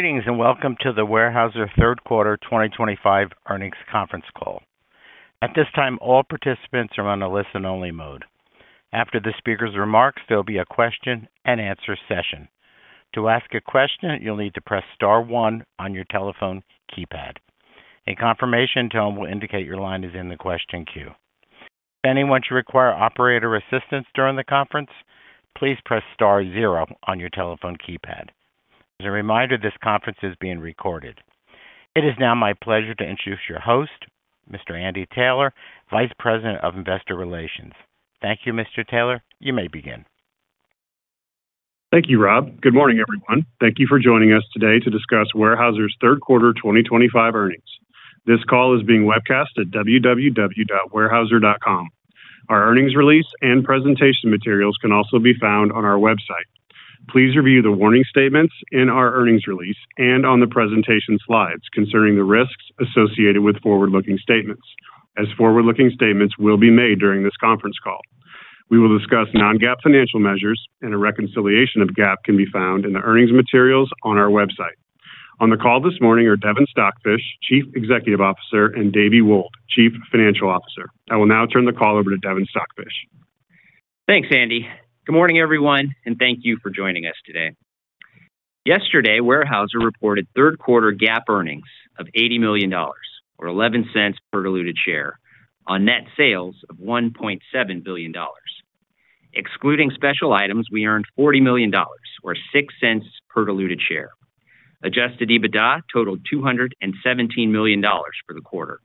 Greetings and welcome to the Weyerhaeuser Third Quarter 2025 earnings conference call. At this time, all participants are on a listen-only mode. After the speaker's remarks, there'll be a question-and-answer session. To ask a question, you'll need to press star one on your telephone keypad. A confirmation tone will indicate your line is in the question queue. If anyone should require operator assistance during the conference, please press star zero on your telephone keypad. As a reminder, this conference is being recorded. It is now my pleasure to introduce your host, Mr. Andy Taylor, Vice President of Investor Relations. Thank you, Mr. Taylor. You may begin. Thank you, Rob. Good morning, everyone. Thank you for joining us today to discuss Weyerhaeuser's Third Quarter 2025 earnings. This call is being webcast at www.weyerhaeuser.com. Our earnings release and presentation materials can also be found on our website. Please review the warning statements in our earnings release and on the presentation slides concerning the risks associated with forward-looking statements, as forward-looking statements will be made during this conference call. We will discuss non-GAAP financial measures, and a reconciliation of GAAP can be found in the earnings materials on our website. On the call this morning are Devin Stockfish, Chief Executive Officer, and David Wold, Chief Financial Officer. I will now turn the call over to Devin Stockfish. Thanks, Andy. Good morning, everyone, and thank you for joining us today. Yesterday, Weyerhaeuser reported third-quarter GAAP earnings of $80 million, or $0.11 per diluted share, on net sales of $1.7 billion. Excluding special items, we earned $40 million, or $0.06 per diluted share. Adjusted EBITDA totaled $217 million for the quarter.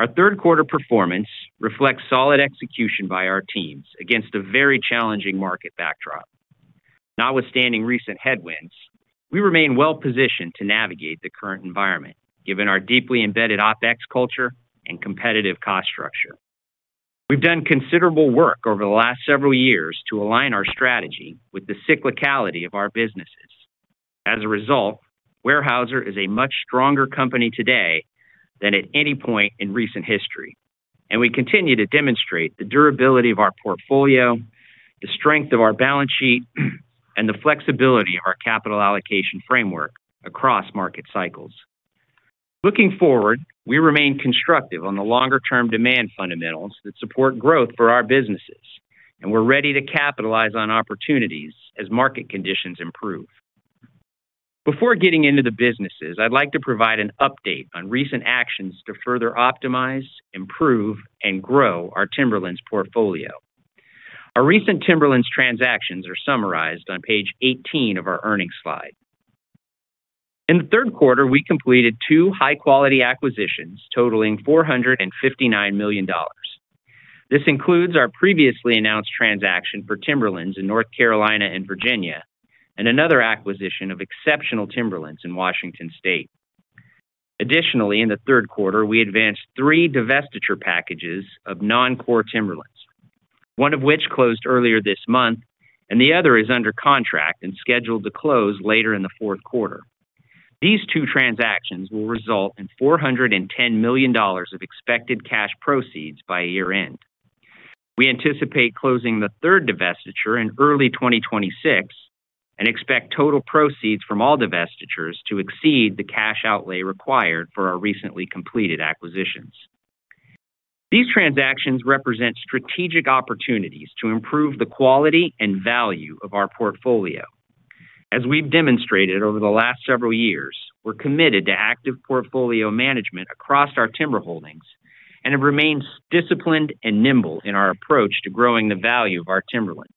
Our third-quarter performance reflects solid execution by our teams against a very challenging market backdrop. Notwithstanding recent headwinds, we remain well-positioned to navigate the current environment, given our deeply embedded OpEx culture and competitive cost structure. We've done considerable work over the last several years to align our strategy with the cyclicality of our businesses. As a result, Weyerhaeuser is a much stronger company today than at any point in recent history, and we continue to demonstrate the durability of our portfolio, the strength of our balance sheet, and the flexibility of our capital allocation framework across market cycles. Looking forward, we remain constructive on the longer-term demand fundamentals that support growth for our businesses, and we're ready to capitalize on opportunities as market conditions improve. Before getting into the businesses, I'd like to provide an update on recent actions to further optimize, improve, and grow our Timberlands portfolio. Our recent Timberlands transactions are summarized on page 18 of our earnings slide. In the third quarter, we completed two high-quality acquisitions totaling $459 million. This includes our previously announced transaction for Timberlands in North Carolina and Virginia and another acquisition of exceptional Timberlands in Washington State. Additionally, in the third quarter, we advanced three divestiture packages of non-core Timberlands, one of which closed earlier this month, and the other is under contract and scheduled to close later in the fourth quarter. These two transactions will result in $410 million of expected cash proceeds by year-end. We anticipate closing the third divestiture in early 2026 and expect total proceeds from all divestitures to exceed the cash outlay required for our recently completed acquisitions. These transactions represent strategic opportunities to improve the quality and value of our portfolio. As we've demonstrated over the last several years, we're committed to active portfolio management across our timber holdings and have remained disciplined and nimble in our approach to growing the value of our timberlands.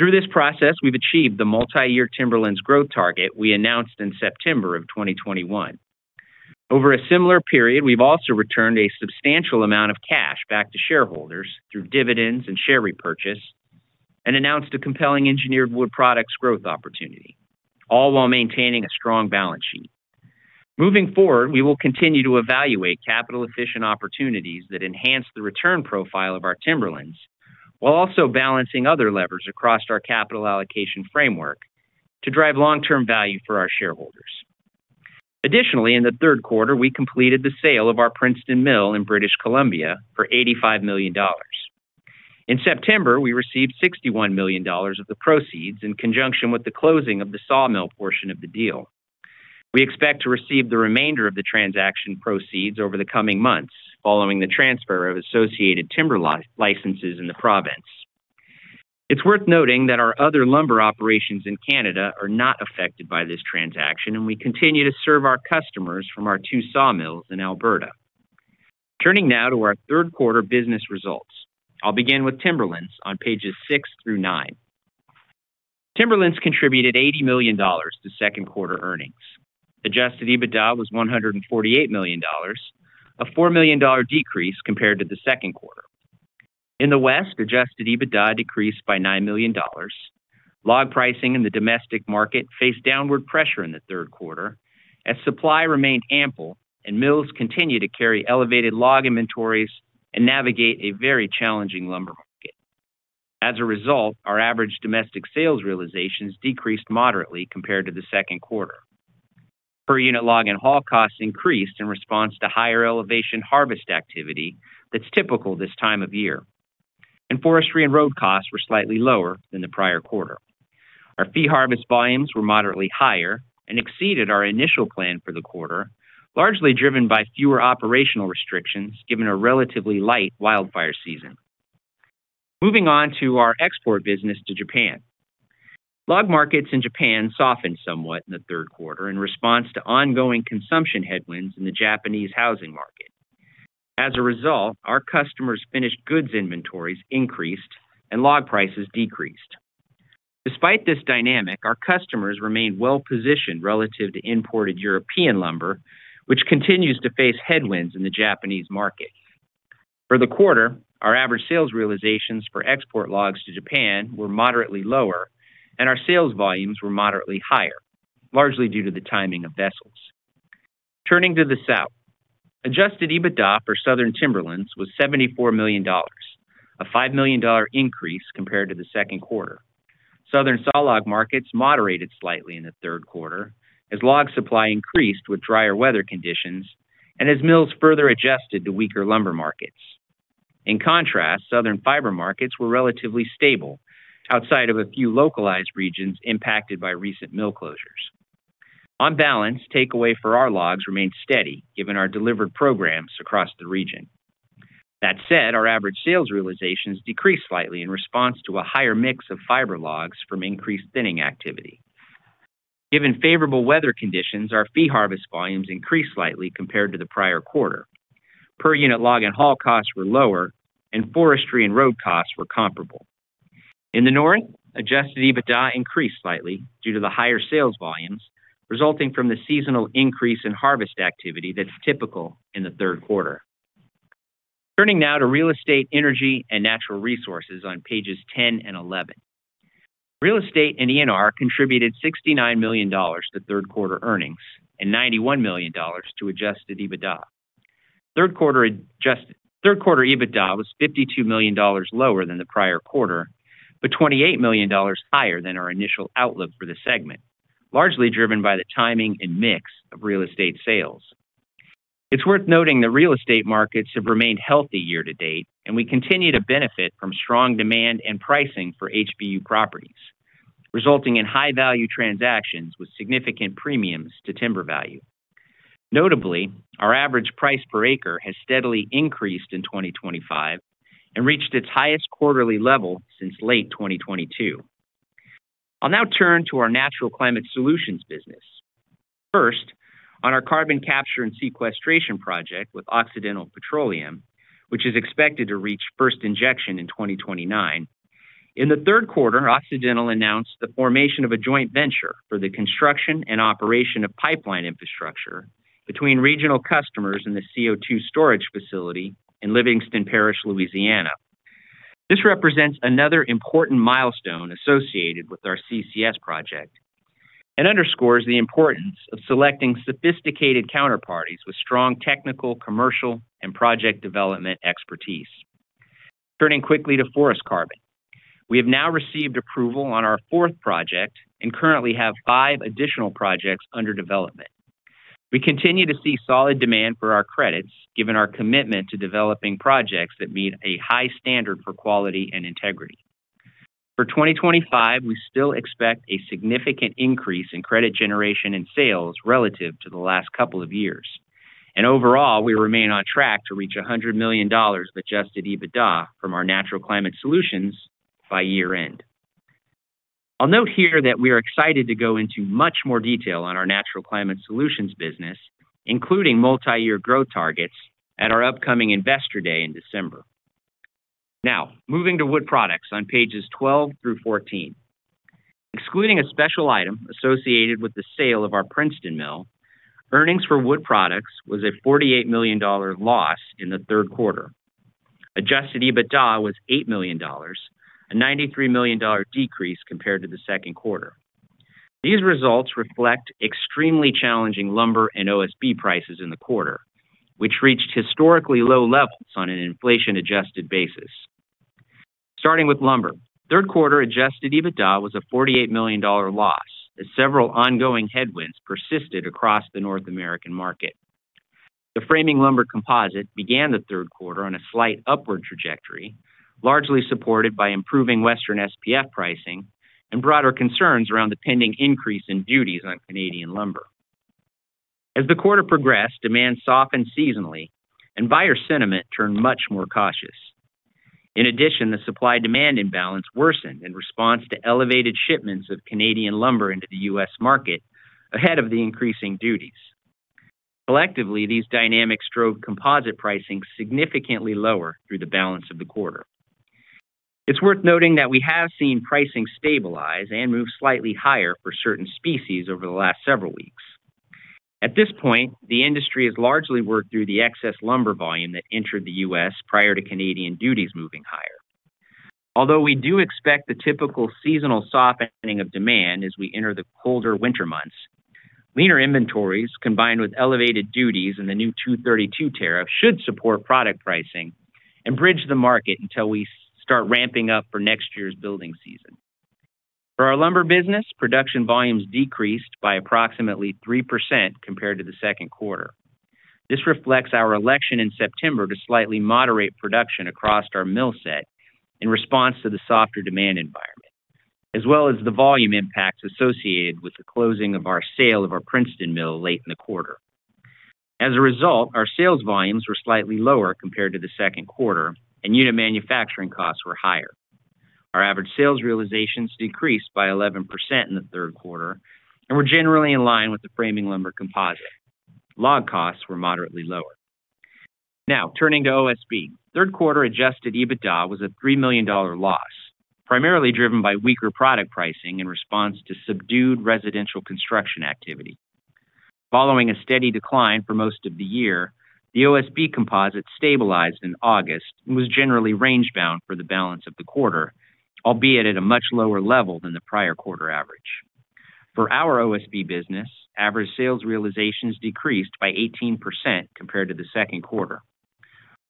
Through this process, we've achieved the multi-year timberlands growth target we announced in September of 2021. Over a similar period, we've also returned a substantial amount of cash back to shareholders through dividends and share repurchases and announced a compelling engineered wood products growth opportunity, all while maintaining a strong balance sheet. Moving forward, we will continue to evaluate capital-efficient opportunities that enhance the return profile of our timberlands while also balancing other levers across our capital allocation framework to drive long-term value for our shareholders. Additionally, in the third quarter, we completed the sale of our Princeton Mill in British Columbia for $85 million. In September, we received $61 million of the proceeds in conjunction with the closing of the sawmill portion of the deal. We expect to receive the remainder of the transaction proceeds over the coming months following the transfer of associated timber licenses in the province. It's worth noting that our other lumber operations in Canada are not affected by this transaction, and we continue to serve our customers from our two sawmills in Alberta. Turning now to our third-quarter business results, I'll begin with Timberlands on pages 6 through 9. Timberlands contributed $80 million to second-quarter earnings. Adjusted EBITDA was $148 million, a $4 million decrease compared to the second quarter. In the West, adjusted EBITDA decreased by $9 million. Log pricing in the domestic market faced downward pressure in the third quarter as supply remained ample and mills continued to carry elevated log inventories and navigate a very challenging lumber market. As a result, our average domestic sales realizations decreased moderately compared to the second quarter. Per unit log and haul costs increased in response to higher elevation harvest activity that's typical this time of year, and forestry and road costs were slightly lower than the prior quarter. Our fee harvest volumes were moderately higher and exceeded our initial plan for the quarter, largely driven by fewer operational restrictions given a relatively light wildfire season. Moving on to our export business to Japan. Log markets in Japan softened somewhat in the third quarter in response to ongoing consumption headwinds in the Japanese housing market. As a result, our customers' finished goods inventories increased and log prices decreased. Despite this dynamic, our customers remained well-positioned relative to imported European lumber, which continues to face headwinds in the Japanese market. For the quarter, our average sales realizations for export logs to Japan were moderately lower, and our sales volumes were moderately higher, largely due to the timing of vessels. Turning to the South, adjusted EBITDA for Southern Timberlands was $74 million, a $5 million increase compared to the second quarter. Southern saw log markets moderated slightly in the third quarter as log supply increased with drier weather conditions and as mills further adjusted to weaker lumber markets. In contrast, Southern fiber markets were relatively stable outside of a few localized regions impacted by recent mill closures. On balance, takeaway for our logs remained steady given our delivered programs across the region. That said, our average sales realizations decreased slightly in response to a higher mix of fiber logs from increased thinning activity. Given favorable weather conditions, our fee harvest volumes increased slightly compared to the prior quarter. Per unit log and haul costs were lower, and forestry and road costs were comparable. In the North, adjusted EBITDA increased slightly due to the higher sales volumes resulting from the seasonal increase in harvest activity that's typical in the third quarter. Turning now to real estate, energy, and natural resources on pages 10 and 11. Real estate and ENR contributed $69 million to third-quarter earnings and $91 million to adjusted EBITDA. Third-quarter EBITDA was $52 million lower than the prior quarter but $28 million higher than our initial outlook for the segment, largely driven by the timing and mix of real estate sales. It's worth noting that real estate markets have remained healthy year-to-date, and we continue to benefit from strong demand and pricing for HBU properties, resulting in high-value transactions with significant premiums to timber value. Notably, our average price per acre has steadily increased in 2023 and reached its highest quarterly level since late 2022. I'll now turn to our natural climate solutions business. First, on our carbon capture and sequestration project with Occidental Petroleum, which is expected to reach first injection in 2029. In the third quarter, Occidental announced the formation of a joint venture for the construction and operation of pipeline infrastructure between regional customers and the CO2 storage facility in Livingston Parish, Louisiana. This represents another important milestone associated with our carbon capture and sequestration project and underscores the importance of selecting sophisticated counterparties with strong technical, commercial, and project development expertise. Turning quickly to forest carbon, we have now received approval on our fourth project and currently have five additional projects under development. We continue to see solid demand for our credits given our commitment to developing projects that meet a high standard for quality and integrity. For 2025, we still expect a significant increase in credit generation and sales relative to the last couple of years, and overall, we remain on track to reach $100 million of adjusted EBITDA from our natural climate solutions by year-end. I'll note here that we are excited to go into much more detail on our natural climate solutions business, including multi-year growth targets at our upcoming investor day in December. Now, moving to wood products on pages 12 through 14. Excluding a special item associated with the sale of our Princeton Mill, earnings for wood products was a $48 million loss in the third quarter. Adjusted EBITDA was $8 million, a $93 million decrease compared to the second quarter. These results reflect extremely challenging lumber and OSB prices in the quarter, which reached historically low levels on an inflation-adjusted basis. Starting with lumber, third-quarter adjusted EBITDA was a $48 million loss as several ongoing headwinds persisted across the North American market. The framing lumber composite began the third quarter on a slight upward trajectory, largely supported by improving Western SPF pricing and broader concerns around the pending increase in duties on Canadian lumber. As the quarter progressed, demand softened seasonally, and buyer sentiment turned much more cautious. In addition, the supply-demand imbalance worsened in response to elevated shipments of Canadian lumber into the U.S. market ahead of the increasing duties. Collectively, these dynamics drove composite pricing significantly lower through the balance of the quarter. It's worth noting that we have seen pricing stabilize and move slightly higher for certain species over the last several weeks. At this point, the industry has largely worked through the excess lumber volume that entered the U.S. prior to Canadian duties moving higher. Although we do expect the typical seasonal softening of demand as we enter the colder winter months, leaner inventories combined with elevated duties and the new 232 tariff should support product pricing and bridge the market until we start ramping up for next year's building season. For our lumber business, production volumes decreased by approximately 3% compared to the second quarter. This reflects our election in September to slightly moderate production across our mill set in response to the softer demand environment, as well as the volume impacts associated with the closing of our sale of our Princeton Mill late in the quarter. As a result, our sales volumes were slightly lower compared to the second quarter, and unit manufacturing costs were higher. Our average sales realizations decreased by 11% in the third quarter and were generally in line with the framing lumber composite. Log costs were moderately lower. Now, turning to OSB, third-quarter adjusted EBITDA was a $3 million loss, primarily driven by weaker product pricing in response to subdued residential construction activity. Following a steady decline for most of the year, the OSB composite stabilized in August and was generally range-bound for the balance of the quarter, albeit at a much lower level than the prior quarter average. For our OSB business, average sales realizations decreased by 18% compared to the second quarter.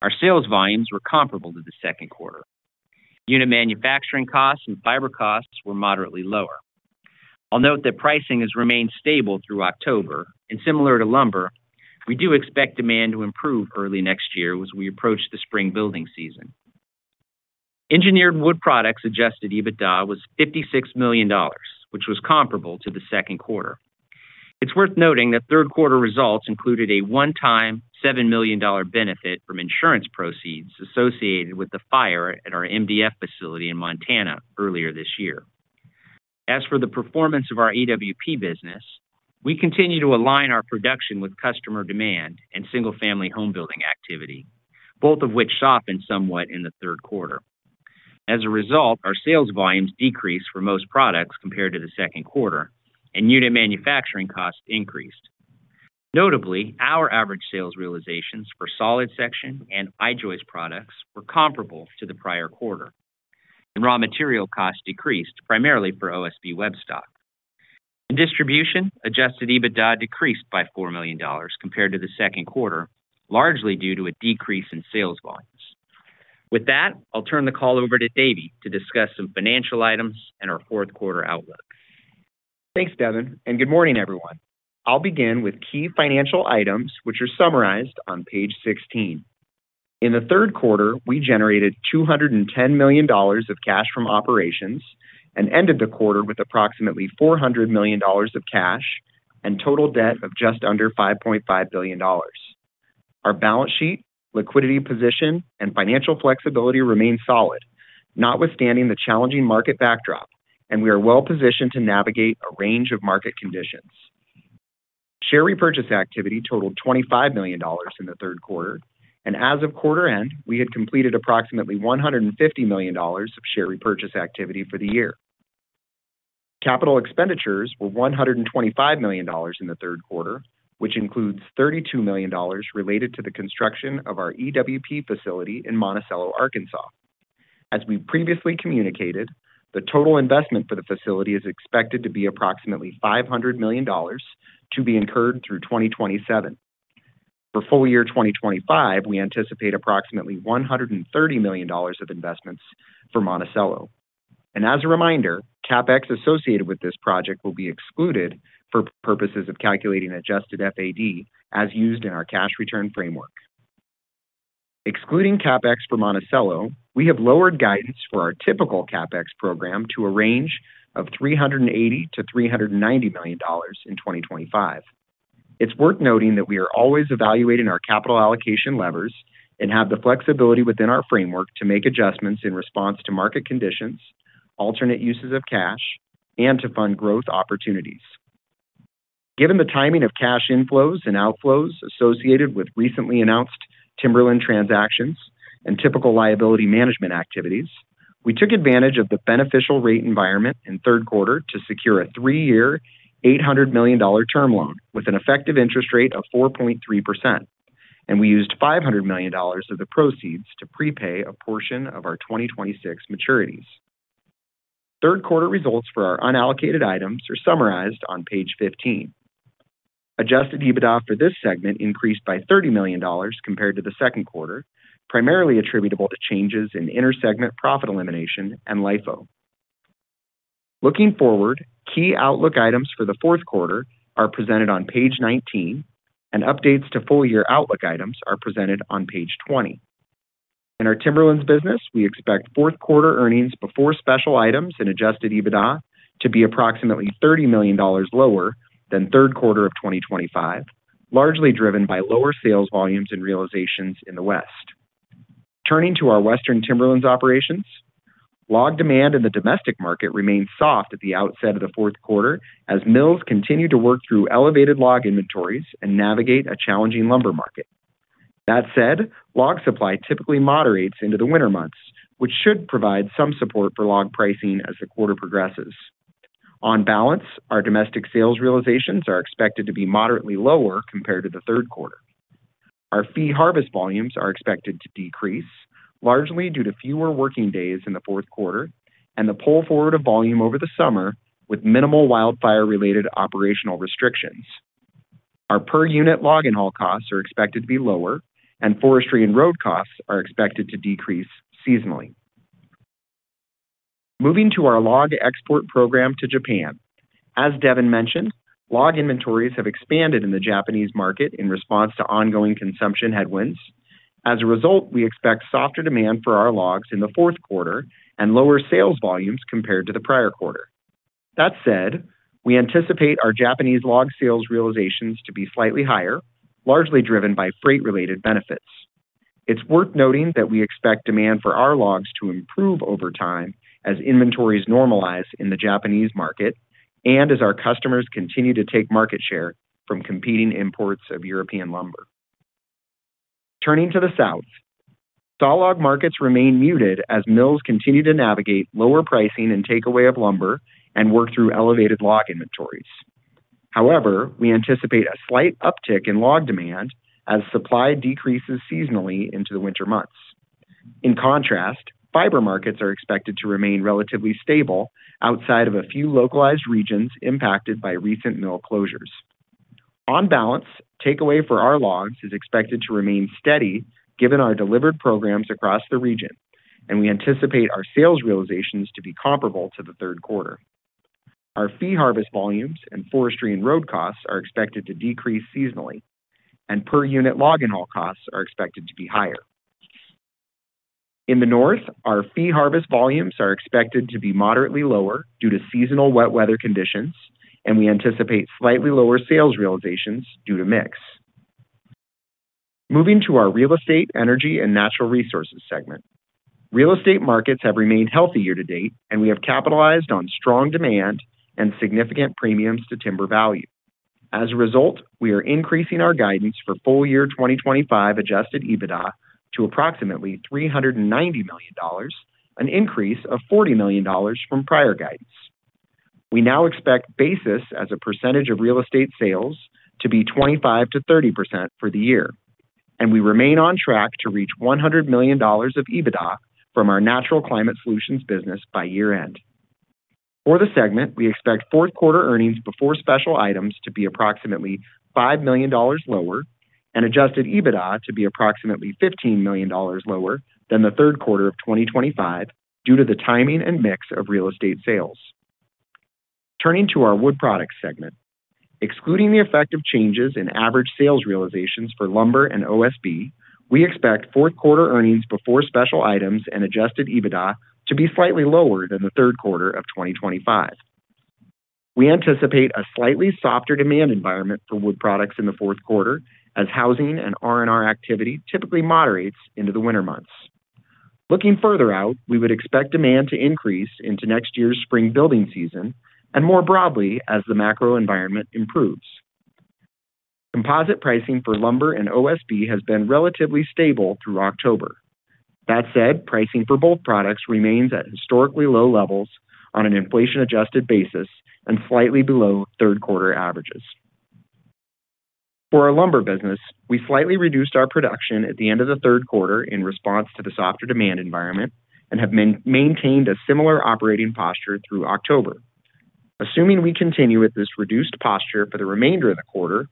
Our sales volumes were comparable to the second quarter. Unit manufacturing costs and fiber costs were moderately lower. I'll note that pricing has remained stable through October, and similar to lumber, we do expect demand to improve early next year as we approach the spring building season. Engineered wood products adjusted EBITDA was $56 million, which was comparable to the second quarter. It's worth noting that third-quarter results included a one-time $7 million benefit from insurance proceeds associated with the fire at our MDF facility in Montana earlier this year. As for the performance of our EWP business, we continue to align our production with customer demand and single-family home building activity, both of which softened somewhat in the third quarter. As a result, our sales volumes decreased for most products compared to the second quarter, and unit manufacturing costs increased. Notably, our average sales realizations for solid section and I-joist products were comparable to the prior quarter, and raw material costs decreased primarily for OSB Webstock. In distribution, adjusted EBITDA decreased by $4 million compared to the second quarter, largely due to a decrease in sales volumes. With that, I'll turn the call over to David Wold to discuss some financial items and our fourth-quarter outlook. Thanks, Devin, and good morning, everyone. I'll begin with key financial items, which are summarized on page 16. In the third quarter, we generated $210 million of cash from operations and ended the quarter with approximately $400 million of cash and total debt of just under $5.5 billion. Our balance sheet, liquidity position, and financial flexibility remain solid, notwithstanding the challenging market backdrop, and we are well-positioned to navigate a range of market conditions. Share repurchase activity totaled $25 million in the third quarter, and as of quarter end, we had completed approximately $150 million of share repurchase activity for the year. Capital expenditures were $125 million in the third quarter, which includes $32 million related to the construction of our EWP facility in Monticello, Arkansas. As we previously communicated, the total investment for the facility is expected to be approximately $500 million to be incurred through 2027. For full year 2025, we anticipate approximately $130 million of investments for Monticello. As a reminder, CapEx associated with this project will be excluded for purposes of calculating adjusted FAD as used in our cash return framework. Excluding CapEx for Monticello, we have lowered guidance for our typical CapEx program to a range of $380 million-$390 million in 2025. It's worth noting that we are always evaluating our capital allocation levers and have the flexibility within our framework to make adjustments in response to market conditions, alternate uses of cash, and to fund growth opportunities. Given the timing of cash inflows and outflows associated with recently announced timberland transactions and typical liability management activities, we took advantage of the beneficial rate environment in the third quarter to secure a three-year $800 million term loan with an effective interest rate of 4.3%, and we used $500 million of the proceeds to prepay a portion of our 2026 maturities. Third-quarter results for our unallocated items are summarized on page 15. Adjusted EBITDA for this segment increased by $30 million compared to the second quarter, primarily attributable to changes in inter-segment profit elimination and LIFO. Looking forward, key outlook items for the fourth quarter are presented on page 19, and updates to full year outlook items are presented on page 20. In our Timberlands business, we expect fourth-quarter earnings before special items and adjusted EBITDA to be approximately $30 million lower than the third quarter of 2025, largely driven by lower sales volumes and realizations in the West. Turning to our Western Timberlands operations, log demand in the domestic market remains soft at the outset of the fourth quarter as mills continue to work through elevated log inventories and navigate a challenging lumber market. That said, log supply typically moderates into the winter months, which should provide some support for log pricing as the quarter progresses. On balance, our domestic sales realizations are expected to be moderately lower compared to the third quarter. Our fee harvest volumes are expected to decrease, largely due to fewer working days in the fourth quarter and the pull forward of volume over the summer with minimal wildfire-related operational restrictions. Our per-unit log and haul costs are expected to be lower, and forestry and road costs are expected to decrease seasonally. Moving to our log export program to Japan. As Devin mentioned, log inventories have expanded in the Japanese market in response to ongoing consumption headwinds. As a result, we expect softer demand for our logs in the fourth quarter and lower sales volumes compared to the prior quarter. That said, we anticipate our Japanese log sales realizations to be slightly higher, largely driven by freight-related benefits. It's worth noting that we expect demand for our logs to improve over time as inventories normalize in the Japanese market and as our customers continue to take market share from competing imports of European lumber. Turning to the South. Stall log markets remain muted as mills continue to navigate lower pricing and takeaway of lumber and work through elevated log inventories. However, we anticipate a slight uptick in log demand as supply decreases seasonally into the winter months. In contrast, fiber markets are expected to remain relatively stable outside of a few localized regions impacted by recent mill closures. On balance, takeaway for our logs is expected to remain steady given our delivered programs across the region, and we anticipate our sales realizations to be comparable to the third quarter. Our fee harvest volumes and forestry and road costs are expected to decrease seasonally, and per-unit log and haul costs are expected to be higher. In the North, our fee harvest volumes are expected to be moderately lower due to seasonal wet weather conditions, and we anticipate slightly lower sales realizations due to mix. Moving to our real estate, energy, and natural resources segment. Real estate markets have remained healthy year to date, and we have capitalized on strong demand and significant premiums to timber value. As a result, we are increasing our guidance for full year 2025 adjusted EBITDA to approximately $390 million, an increase of $40 million from prior guidance. We now expect basis as a percentage of real estate sales to be 25%-30% for the year, and we remain on track to reach $100 million of EBITDA from our natural climate solutions business by year-end. For the segment, we expect fourth-quarter earnings before special items to be approximately $5 million lower and adjusted EBITDA to be approximately $15 million lower than the third quarter of 2025 due to the timing and mix of real estate sales. Turning to our wood products segment. Excluding the effect of changes in average sales realizations for lumber and OSB, we expect fourth-quarter earnings before special items and adjusted EBITDA to be slightly lower than the third quarter of 2025. We anticipate a slightly softer demand environment for wood products in the fourth quarter as housing and R&R activity typically moderates into the winter months. Looking further out, we would expect demand to increase into next year's spring building season and more broadly as the macro environment improves. Composite pricing for lumber and OSB has been relatively stable through October. That said, pricing for both products remains at historically low levels on an inflation-adjusted basis and slightly below third-quarter averages. For our lumber business, we slightly reduced our production at the end of the third quarter in response to the softer demand environment and have maintained a similar operating posture through October. Assuming we continue with this reduced posture for the remainder of the quarter,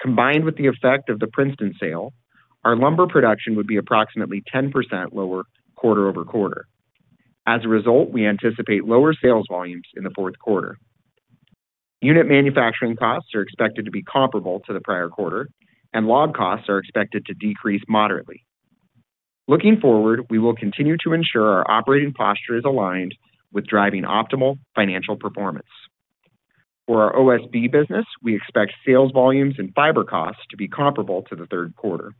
combined with the effect of the Princeton sale, our lumber production would be approximately 10% lower quarter-over-quarter. As a result, we anticipate lower sales volumes in the fourth quarter. Unit manufacturing costs are expected to be comparable to the prior quarter, and log costs are expected to decrease moderately. Looking forward, we will continue to ensure our operating posture is aligned with driving optimal financial performance. For our OSB business, we expect sales volumes and fiber costs to be comparable to the third quarter.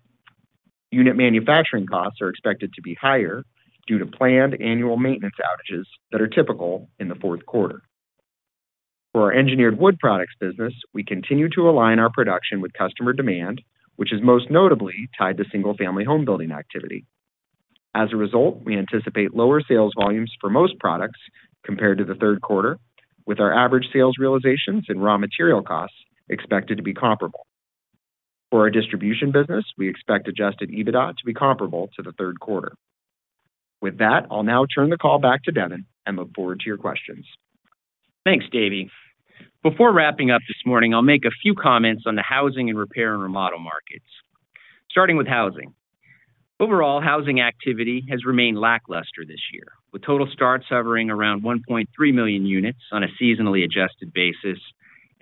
Unit manufacturing costs are expected to be higher due to planned annual maintenance outages that are typical in the fourth quarter. For our engineered wood products business, we continue to align our production with customer demand, which is most notably tied to single-family home building activity. As a result, we anticipate lower sales volumes for most products compared to the third quarter, with our average sales realizations and raw material costs expected to be comparable. For our distribution business, we expect adjusted EBITDA to be comparable to the third quarter. With that, I'll now turn the call back to Devin and look forward to your questions. Thanks, Davey. Before wrapping up this morning, I'll make a few comments on the housing and repair and remodel markets. Starting with housing. Overall, housing activity has remained lackluster this year, with total starts hovering around 1.3 million units on a seasonally adjusted basis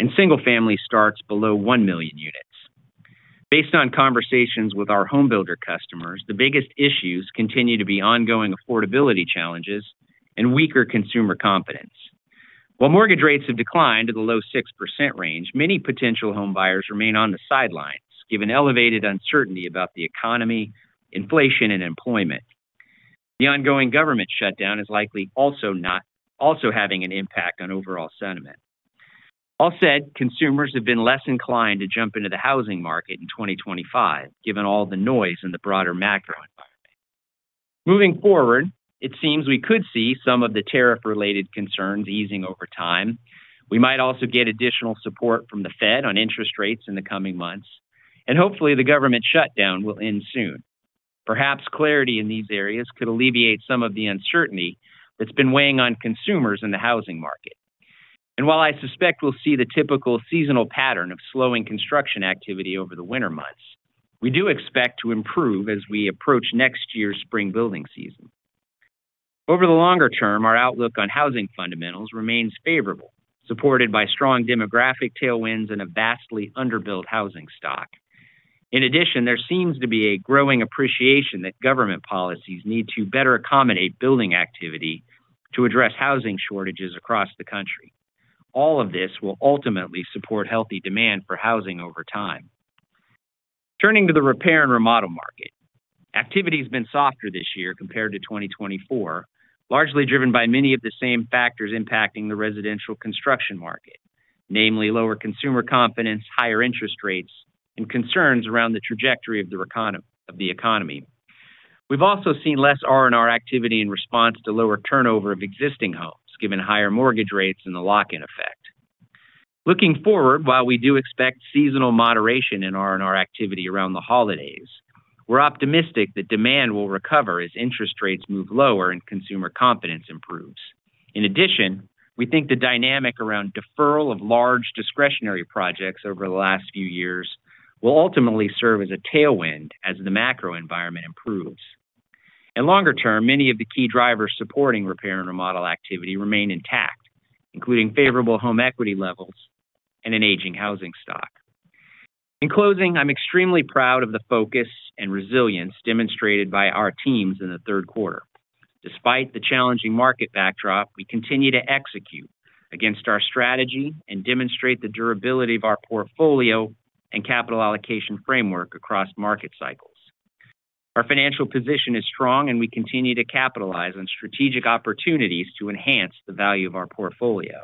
and single-family starts below 1 million units. Based on conversations with our homebuilder customers, the biggest issues continue to be ongoing affordability challenges and weaker consumer confidence. While mortgage rates have declined to the low 6% range, many potential homebuyers remain on the sidelines given elevated uncertainty about the economy, inflation, and employment. The ongoing government shutdown is likely also having an impact on overall sentiment. All said, consumers have been less inclined to jump into the housing market in 2025, given all the noise in the broader macro environment. Moving forward, it seems we could see some of the tariff-related concerns easing over time. We might also get additional support from the Fed on interest rates in the coming months, and hopefully, the government shutdown will end soon. Perhaps clarity in these areas could alleviate some of the uncertainty that's been weighing on consumers in the housing market. While I suspect we'll see the typical seasonal pattern of slowing construction activity over the winter months, we do expect to improve as we approach next year's spring building season. Over the longer term, our outlook on housing fundamentals remains favorable, supported by strong demographic tailwinds and a vastly underbuilt housing stock. In addition, there seems to be a growing appreciation that government policies need to better accommodate building activity to address housing shortages across the country. All of this will ultimately support healthy demand for housing over time. Turning to the repair and remodel market, activity has been softer this year compared to 2023, largely driven by many of the same factors impacting the residential construction market, namely lower consumer confidence, higher interest rates, and concerns around the trajectory of the economy. We've also seen less R&R activity in response to lower turnover of existing homes, given higher mortgage rates and the lock-in effect. Looking forward, while we do expect seasonal moderation in R&R activity around the holidays, we're optimistic that demand will recover as interest rates move lower and consumer confidence improves. In addition, we think the dynamic around deferral of large discretionary projects over the last few years will ultimately serve as a tailwind as the macro environment improves. In the longer term, many of the key drivers supporting repair and remodel activity remain intact, including favorable home equity levels and an aging housing stock. In closing, I'm extremely proud of the focus and resilience demonstrated by our teams in the third quarter. Despite the challenging market backdrop, we continue to execute against our strategy and demonstrate the durability of our portfolio and capital allocation framework across market cycles. Our financial position is strong, and we continue to capitalize on strategic opportunities to enhance the value of our portfolio.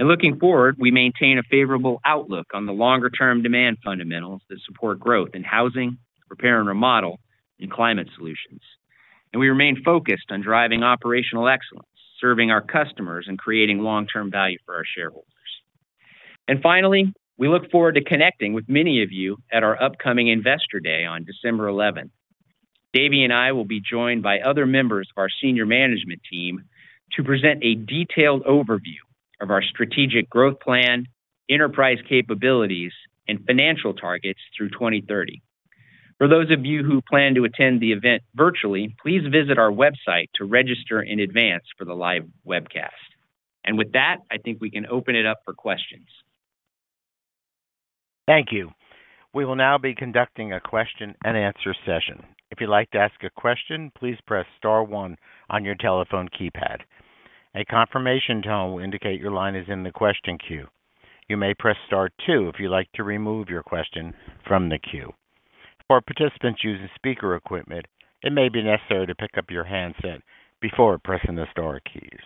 Looking forward, we maintain a favorable outlook on the longer-term demand fundamentals that support growth in housing, repair and remodel, and climate solutions. We remain focused on driving operational excellence, serving our customers, and creating long-term value for our shareholders. Finally, we look forward to connecting with many of you at our upcoming Investor Day on December 11. Davey and I will be joined by other members of our Senior Management team to present a detailed overview of our strategic growth plan, enterprise capabilities, and financial targets through 2030. For those of you who plan to attend the event virtually, please visit our website to register in advance for the live webcast. With that, I think we can open it up for questions. Thank you. We will now be conducting a question-and-answer session. If you'd like to ask a question, please press Star one on your telephone keypad. A confirmation tone will indicate your line is in the question queue. You may press Star two if you'd like to remove your question from the queue. For participants using speaker equipment, it may be necessary to pick up your handset before pressing the Star keys.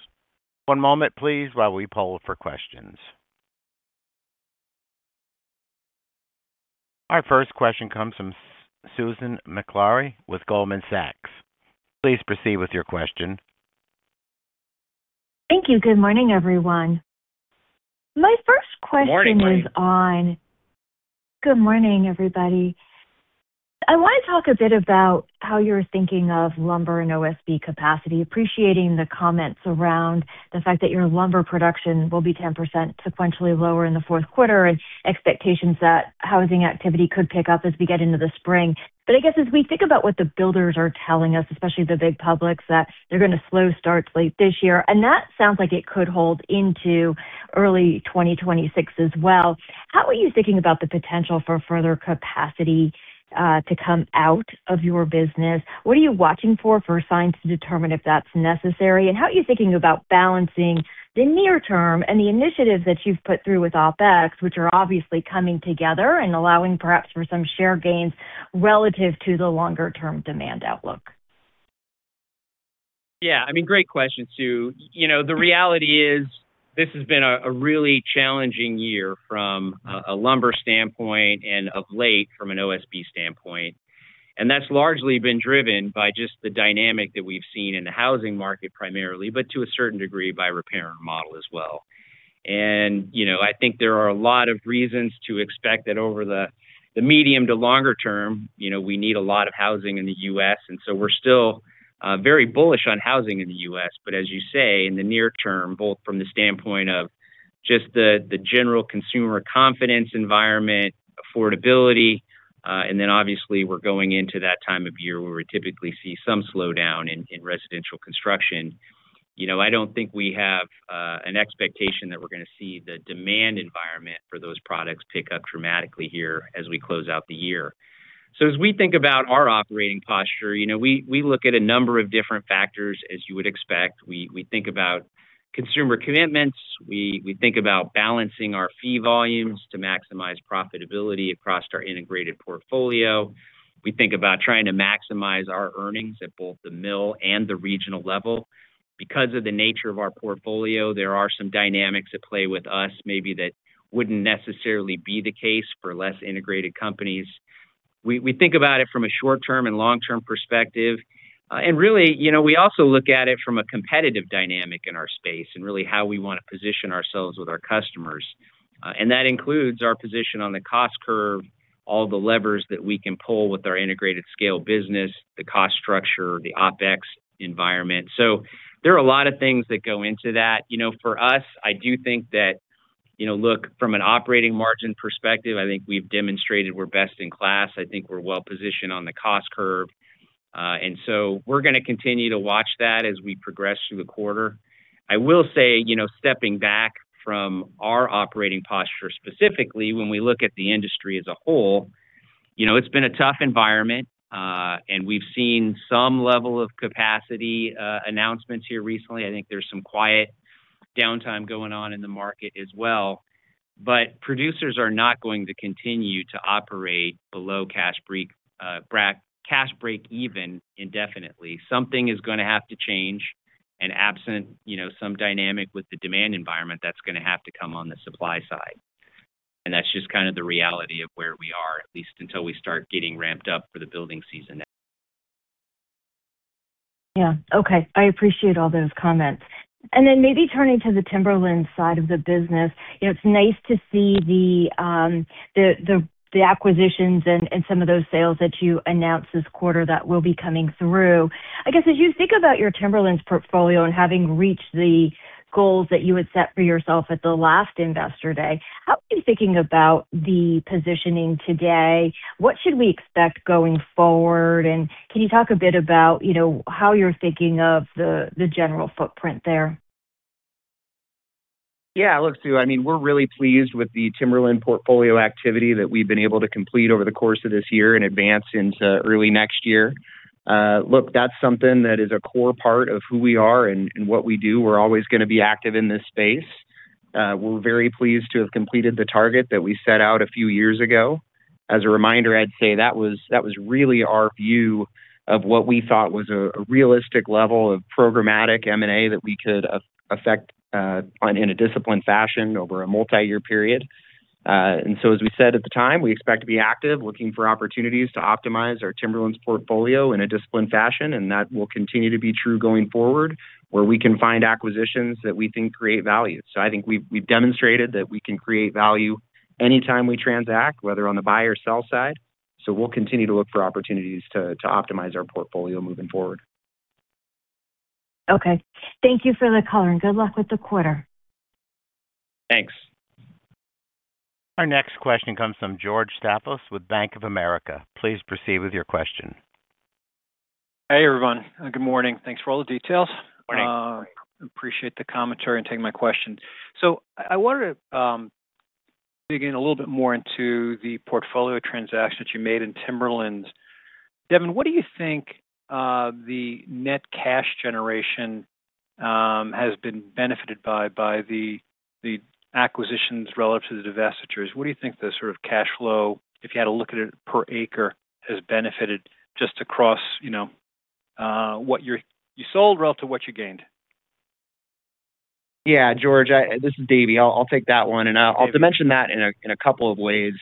One moment, please, while we poll for questions. Our first question comes from Susan Maklari with Goldman Sachs. Please proceed with your question. Thank you. Good morning, everyone. My first question is on. Good morning, everybody. I want to talk a bit about how you're thinking of lumber and OSB capacity, appreciating the comments around the fact that your lumber production will be 10% sequentially lower in the fourth quarter and expectations that housing activity could pick up as we get into the spring. As we think about what the builders are telling us, especially the big publics, that they're going to slow starts late this year, and that sounds like it could hold into early 2026 as well. How are you thinking about the potential for further capacity to come out of your business? What are you watching for for signs to determine if that's necessary? How are you thinking about balancing the near term and the initiatives that you've put through with OpEx, which are obviously coming together and allowing perhaps for some share gains relative to the longer-term demand outlook? Yeah. Great question, Sue. The reality is this has been a really challenging year from a lumber standpoint and of late from an OSB standpoint. That's largely been driven by just the dynamic that we've seen in the housing market primarily, but to a certain degree by repair and remodel as well. I think there are a lot of reasons to expect that over the medium to longer term, we need a lot of housing in the U.S. We are still very bullish on housing in the U.S. As you say, in the near term, both from the standpoint of just the general consumer confidence environment, affordability, and obviously we are going into that time of year where we typically see some slowdown in residential construction, I do not think we have an expectation that we are going to see the demand environment for those products pick up dramatically here as we close out the year. As we think about our operating posture, we look at a number of different factors, as you would expect. We think about consumer commitments. We think about balancing our fee volumes to maximize profitability across our integrated portfolio. We think about trying to maximize our earnings at both the mill and the regional level. Because of the nature of our portfolio, there are some dynamics at play with us that maybe would not necessarily be the case for less integrated companies. We think about it from a short-term and long-term perspective. We also look at it from a competitive dynamic in our space and how we want to position ourselves with our customers. That includes our position on the cost curve, all the levers that we can pull with our integrated scale business, the cost structure, the OpEx environment. There are a lot of things that go into that. For us, I do think that from an operating margin perspective, we have demonstrated we are best in class. I think we are well-positioned on the cost curve. We are going to continue to watch that as we progress through the quarter. I will say, stepping back from our operating posture specifically, when we look at the industry as a whole, it has been a tough environment. We have seen some level of capacity announcements here recently. I think there is some quiet downtime going on in the market as well. Producers are not going to continue to operate below cash break even indefinitely. Something is going to have to change and, absent some dynamic with the demand environment, that is going to have to come on the supply side. That is just the reality of where we are, at least until we start getting ramped up for the building season next. I appreciate all those comments. Maybe turning to the Timberlands side of the business, it is nice to see the. Acquisitions and some of those sales that you announced this quarter that will be coming through. I guess as you think about your Timberlands portfolio and having reached the goals that you had set for yourself at the last Investor Day, how are you thinking about the positioning today? What should we expect going forward? Can you talk a bit about how you're thinking of the general footprint there? Yeah. Look, Sue, I mean, we're really pleased with the Timberland portfolio activity that we've been able to complete over the course of this year and advance into early next year. That's something that is a core part of who we are and what we do. We're always going to be active in this space. We're very pleased to have completed the target that we set out a few years ago. As a reminder, I'd say that was really our view of what we thought was a realistic level of programmatic M&A that we could affect in a disciplined fashion over a multi-year period. As we said at the time, we expect to be active looking for opportunities to optimize our Timberlands portfolio in a disciplined fashion. That will continue to be true going forward where we can find acquisitions that we think create value. I think we've demonstrated that we can create value anytime we transact, whether on the buy or sell side. We'll continue to look for opportunities to optimize our portfolio moving forward. Okay. Thank you for the call, and good luck with the quarter. Thanks. Our next question comes from George Staphos with Bank of America. Please proceed with your question. Hey, everyone. Good morning. Thanks for all the details. Morning. Appreciate the commentary and taking my question. I wanted to dig in a little bit more into the portfolio transactions you made in Timberlands. Devin, what do you think the net cash generation has been benefited by, by the acquisitions relative to the divestitures? What do you think the sort of cash flow, if you had to look at it per acre, has benefited just across what you sold relative to what you gained? Yeah. George, this is Davey. I'll take that one. I'll mention that in a couple of ways.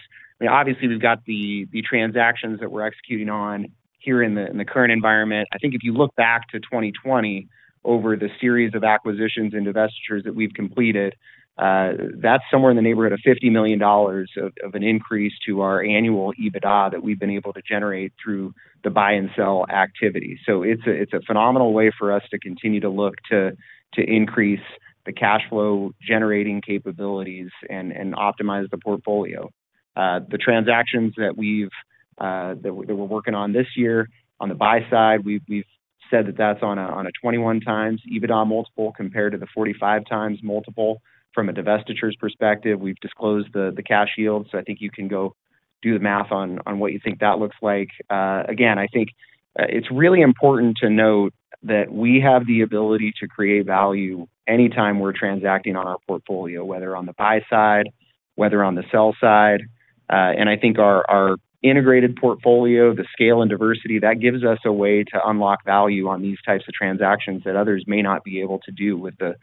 Obviously, we've got the transactions that we're executing on here in the current environment. I think if you look back to 2020, over the series of acquisitions and divestitures that we've completed. That's somewhere in the neighborhood of $50 million of an increase to our annual EBITDA that we've been able to generate through the buy and sell activity. It's a phenomenal way for us to continue to look to increase the cash flow generating capabilities and optimize the portfolio. The transactions that we're working on this year on the buy side, we've said that that's on a 21x EBITDA multiple compared to the 45x multiple. From a divestitures perspective, we've disclosed the cash yield. I think you can go do the math on what you think that looks like. I think it's really important to note that we have the ability to create value anytime we're transacting on our portfolio, whether on the buy side, whether on the sell side. I think our integrated portfolio, the scale and diversity, gives us a way to unlock value on these types of transactions that others may not be able to do with the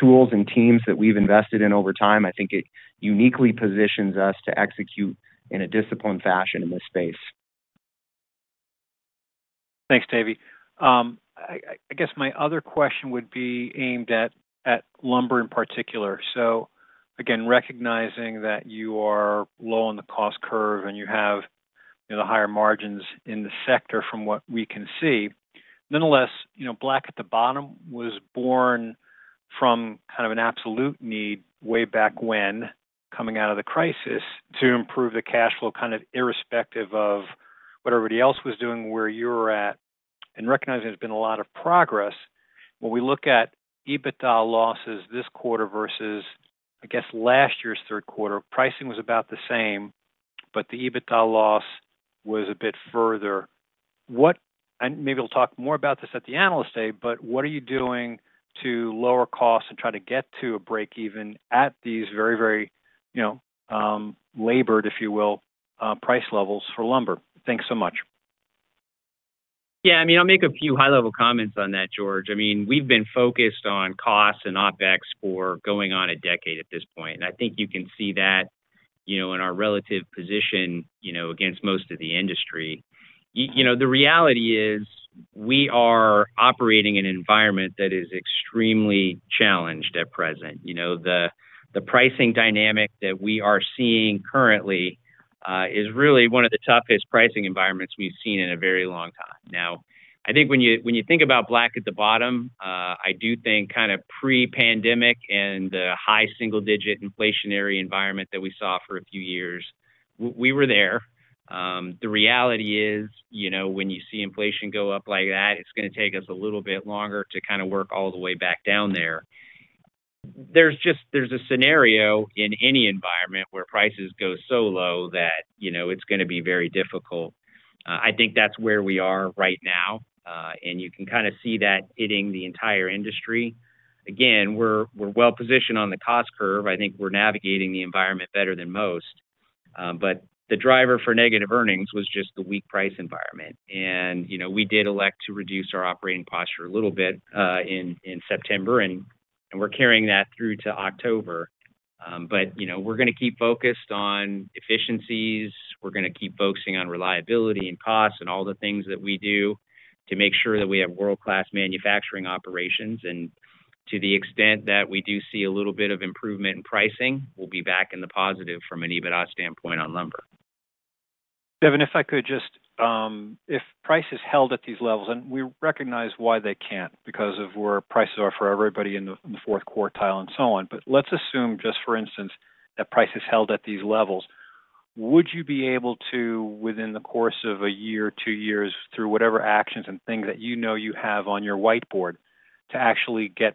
tools and teams that we've invested in over time. I think it uniquely positions us to execute in a disciplined fashion in this space. Thanks, Davey. I guess my other question would be aimed at lumber in particular. Again, recognizing that you are low on the cost curve and you have the higher margins in the sector from what we can see, nonetheless, Black at the Bottom was born from kind of an absolute need way back when coming out of the crisis to improve the cash flow kind of irrespective of what everybody else was doing where you were at. Recognizing there's been a lot of progress, when we look at EBITDA losses this quarter versus, I guess, last year's third quarter, pricing was about the same, but the EBITDA loss was a bit further. Maybe we'll talk more about this at the analyst day, but what are you doing to lower costs and try to get to a break-even at these very, very labored, if you will, price levels for lumber? Thanks so much. Yeah. I'll make a few high-level comments on that, George. We've been focused on costs and OpEx for going on a decade at this point. I think you can see that in our relative position against most of the industry. The reality is we are operating in an environment that is extremely challenged at present. The pricing dynamic that we are seeing currently is really one of the toughest pricing environments we've seen in a very long time. Now, I think when you think about Black at the Bottom, I do think kind of pre-pandemic and the high single-digit inflationary environment that we saw for a few years, we were there. The reality is when you see inflation go up like that, it's going to take us a little bit longer to kind of work all the way back down there. There's a scenario in any environment where prices go so low that it's going to be very difficult. I think that's where we are right now. You can kind of see that hitting the entire industry. Again, we're well-positioned on the cost curve. I think we're navigating the environment better than most. The driver for negative earnings was just the weak price environment. We did elect to reduce our operating posture a little bit in September, and we're carrying that through to October. We're going to keep focused on efficiencies. We're going to keep focusing on reliability and costs and all the things that we do to make sure that we have world-class manufacturing operations. To the extent that we do see a little bit of improvement in pricing, we'll be back in the positive from an EBITDA standpoint on lumber. Devin, if I could just. If prices held at these levels, and we recognize why they can't because of where prices are for everybody in the fourth quartile and so on, but let's assume, just for instance, that prices held at these levels, would you be able to, within the course of a year, two years, through whatever actions and things that you know you have on your whiteboard, to actually get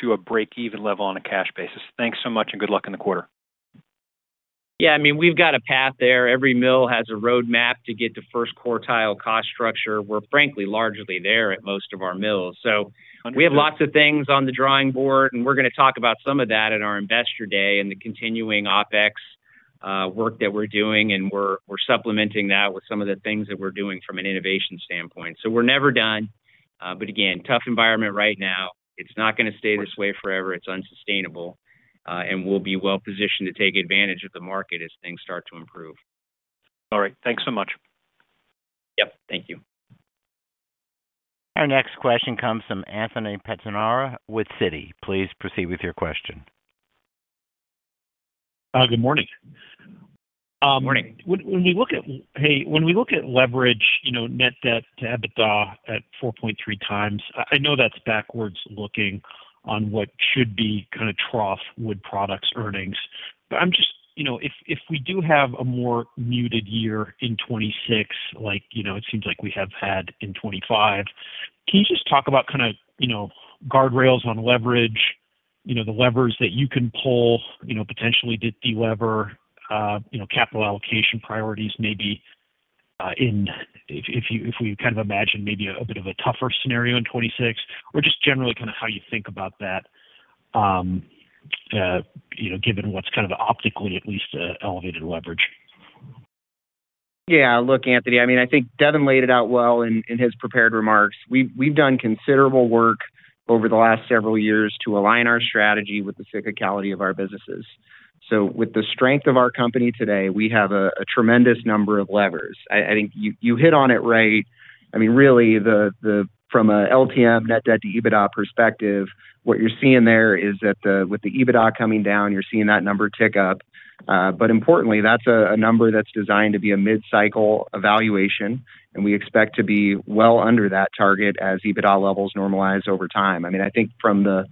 to a break-even level on a cash basis? Thanks so much and good luck in the quarter. Yeah. I mean, we've got a path there. Every mill has a roadmap to get to first quartile cost structure. We're frankly largely there at most of our mills. We have lots of things on the drawing board, and we're going to talk about some of that at our Investor Day and the continuing OpEx work that we're doing. We're supplementing that with some of the things that we're doing from an innovation standpoint. We're never done. Again, tough environment right now. It's not going to stay this way forever. It's unsustainable. We'll be well-positioned to take advantage of the market as things start to improve. All right. Thanks so much. Yep. Thank you. Our next question comes from Anthony Pettinari with Citi. Please proceed with your question. Good morning. Good morning. When we look at leverage, net debt to EBITDA at 4.3x, I know that's backwards looking on what should be kind of trough wood products earnings. I'm just, if we do have a more muted year in 2026, like it seems like we have had in 2025, can you just talk about kind of guardrails on leverage, the levers that you can pull, potentially de-lever, capital allocation priorities maybe. If we kind of imagine maybe a bit of a tougher scenario in 2026, or just generally kind of how you think about that, given what's kind of optically at least elevated leverage. Yeah. Look, Anthony, I think Devin laid it out well in his prepared remarks. We've done considerable work over the last several years to align our strategy with the cyclicality of our businesses. With the strength of our company today, we have a tremendous number of levers. I think you hit on it right. Really, from an LTM, net debt to EBITDA perspective, what you're seeing there is that with the EBITDA coming down, you're seeing that number tick up. Importantly, that's a number that's designed to be a mid-cycle evaluation, and we expect to be well under that target as EBITDA levels normalize over time. I think from the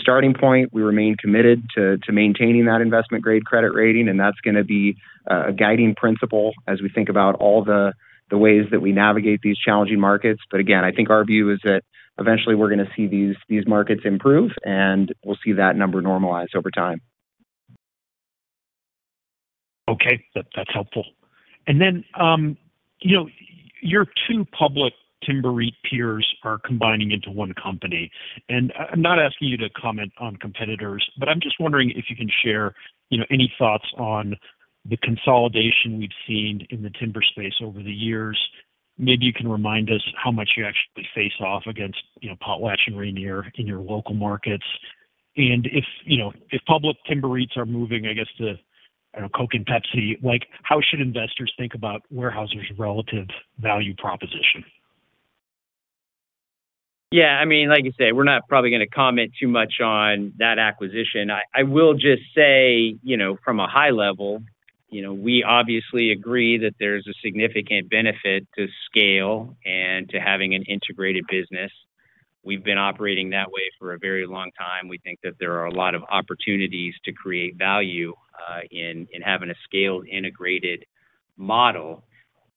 starting point, we remain committed to maintaining that investment-grade credit rating, and that's going to be a guiding principle as we think about all the ways that we navigate these challenging markets. Again, I think our view is that eventually we're going to see these markets improve, and we'll see that number normalize over time. Okay. That's helpful. Your two public Timber REIT peers are combining into one company. I'm not asking you to comment on competitors, but I'm just wondering if you can share any thoughts on the consolidation we've seen in the timber space over the years. Maybe you can remind us how much you actually face off against Potlatch and Rayonier in your local markets. If public Timber REITs are moving, I guess, to Coke and Pepsi, how should investors think about Weyerhaeuser's relative value proposition? Yeah. Like I say, we're not probably going to comment too much on that acquisition. I will just say, from a high level, we obviously agree that there's a significant benefit to scale and to having an integrated business. We've been operating that way for a very long time. We think that there are a lot of opportunities to create value in having a scaled, integrated model.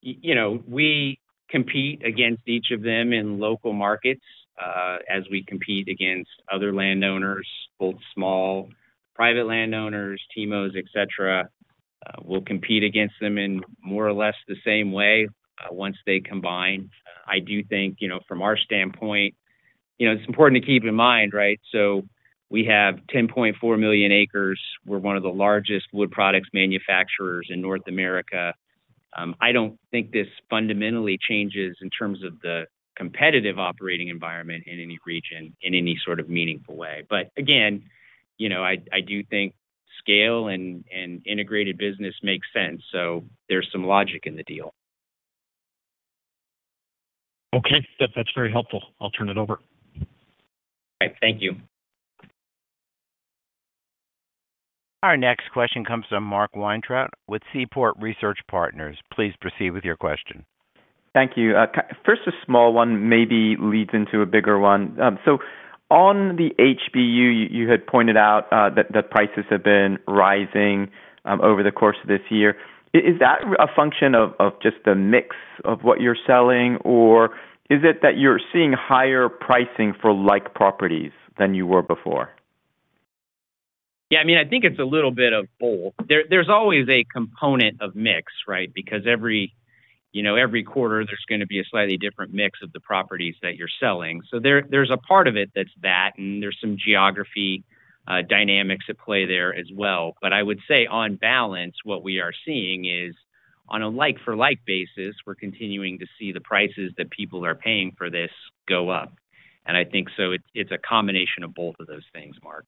We compete against each of them in local markets as we compete against other landowners, both small private landowners, TMOs, etc. We'll compete against them in more or less the same way once they combine. I do think from our standpoint it's important to keep in mind, right? We have 10.4 million acres. We're one of the largest wood products manufacturers in North America. I don't think this fundamentally changes in terms of the competitive operating environment in any region in any sort of meaningful way. I do think scale and integrated business makes sense. There's some logic in the deal. That's very helpful. I'll turn it over. Thank you. Our next question comes from Mark Weintraub with Seaport Research Partners. Please proceed with your question. Thank you. First, a small one maybe leads into a bigger one. On the HBU, you had pointed out that the prices have been rising over the course of this year. Is that a function of just the mix of what you're selling, or is it that you're seeing higher pricing for like properties than you were before? Yeah. I mean, I think it's a little bit of both. There's always a component of mix, right? Because every quarter, there's going to be a slightly different mix of the properties that you're selling. There's a part of it that's that. There's some geography dynamics at play there as well. I would say on balance, what we are seeing is on a like-for-like basis, we're continuing to see the prices that people are paying for this go up. I think it's a combination of both of those things, Mark.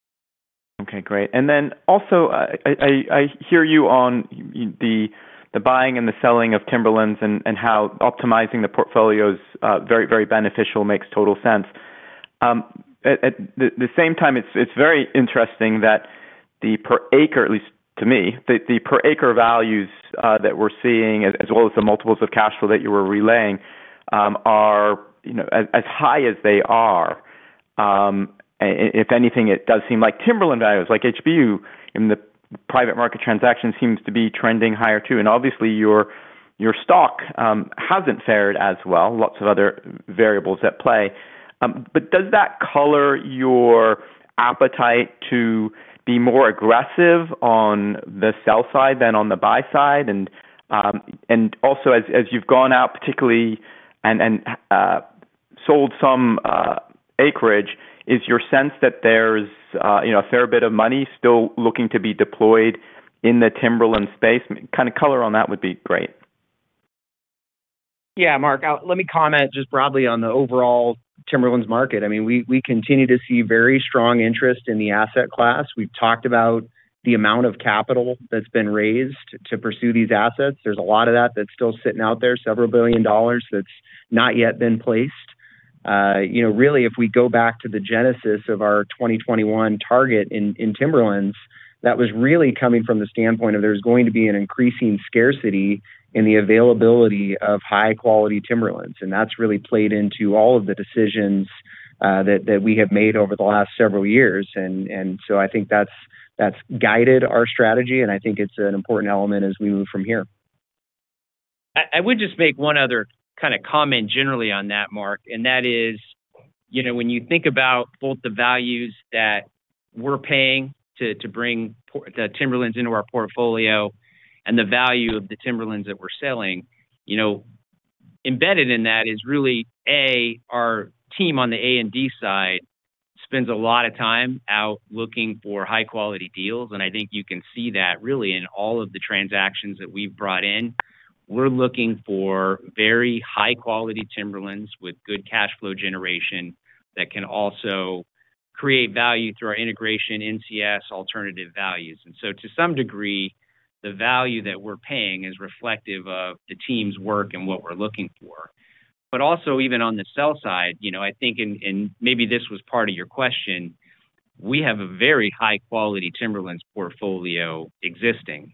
Great. I hear you on the buying and the selling of Timberlands and how optimizing the portfolios is very beneficial, makes total sense. At the same time, it's very interesting that the per acre, at least to me, the per acre values that we're seeing, as well as the multiples of cash flow that you were relaying, are as high as they are. If anything, it does seem like Timberland values like HBU in the private market transaction seems to be trending higher too. Obviously, your stock hasn't fared as well. Lots of other variables at play. Does that color your appetite to be more aggressive on the sell side than on the buy side? Also, as you've gone out particularly and sold some acreage, is your sense that there's a fair bit of money still looking to be deployed in the Timberland space? Kind of color on that would be great. Yeah. Mark, let me comment just broadly on the overall Timberlands market. I mean, we continue to see very strong interest in the asset class. We've talked about the amount of capital that's been raised to pursue these assets. There's a lot of that that's still sitting out there, several billion dollars that's not yet been placed. Really, if we go back to the genesis of our 2021 target in Timberlands, that was really coming from the standpoint of there's going to be an increasing scarcity in the availability of high-quality Timberlands. That has really played into all of the decisions that we have made over the last several years. I think that's guided our strategy. I think it's an important element as we move from here. I would just make one other kind of comment generally on that, Mark. When you think about both the values that we're paying to bring the Timberlands into our portfolio and the value of the Timberlands that we're selling, embedded in that is really, A, our team on the A and D side spends a lot of time out looking for high-quality deals. I think you can see that really in all of the transactions that we've brought in. We're looking for very high-quality Timberlands with good cash flow generation that can also create value through our integration, NCS, alternative values. To some degree, the value that we're paying is reflective of the team's work and what we're looking for. Also, even on the sell side, I think, and maybe this was part of your question, we have a very high-quality Timberlands portfolio existing.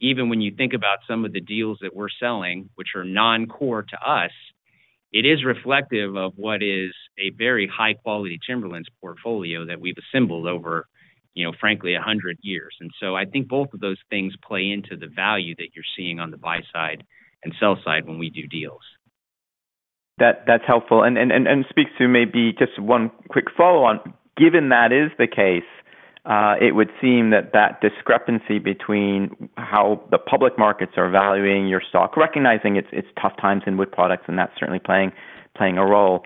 Even when you think about some of the deals that we're selling, which are non-core to us, it is reflective of what is a very high-quality Timberlands portfolio that we've assembled over, frankly, 100 years. I think both of those things play into the value that you're seeing on the buy side and sell side when we do deals. That's helpful. Speak to maybe just one quick follow-on. Given that is the case, it would seem that that discrepancy between how the public markets are valuing your stock, recognizing it's tough times in wood products, and that's certainly playing a role.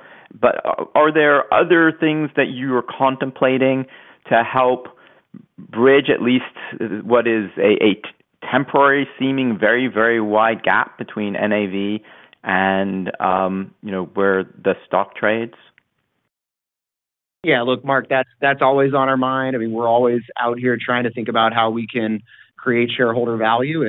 Are there other things that you are contemplating to help bridge at least what is a temporary seeming very, very wide gap between NAV and where the stock trades? Yeah. Look, Mark, that's always on our mind. We're always out here trying to think about how we can create shareholder value.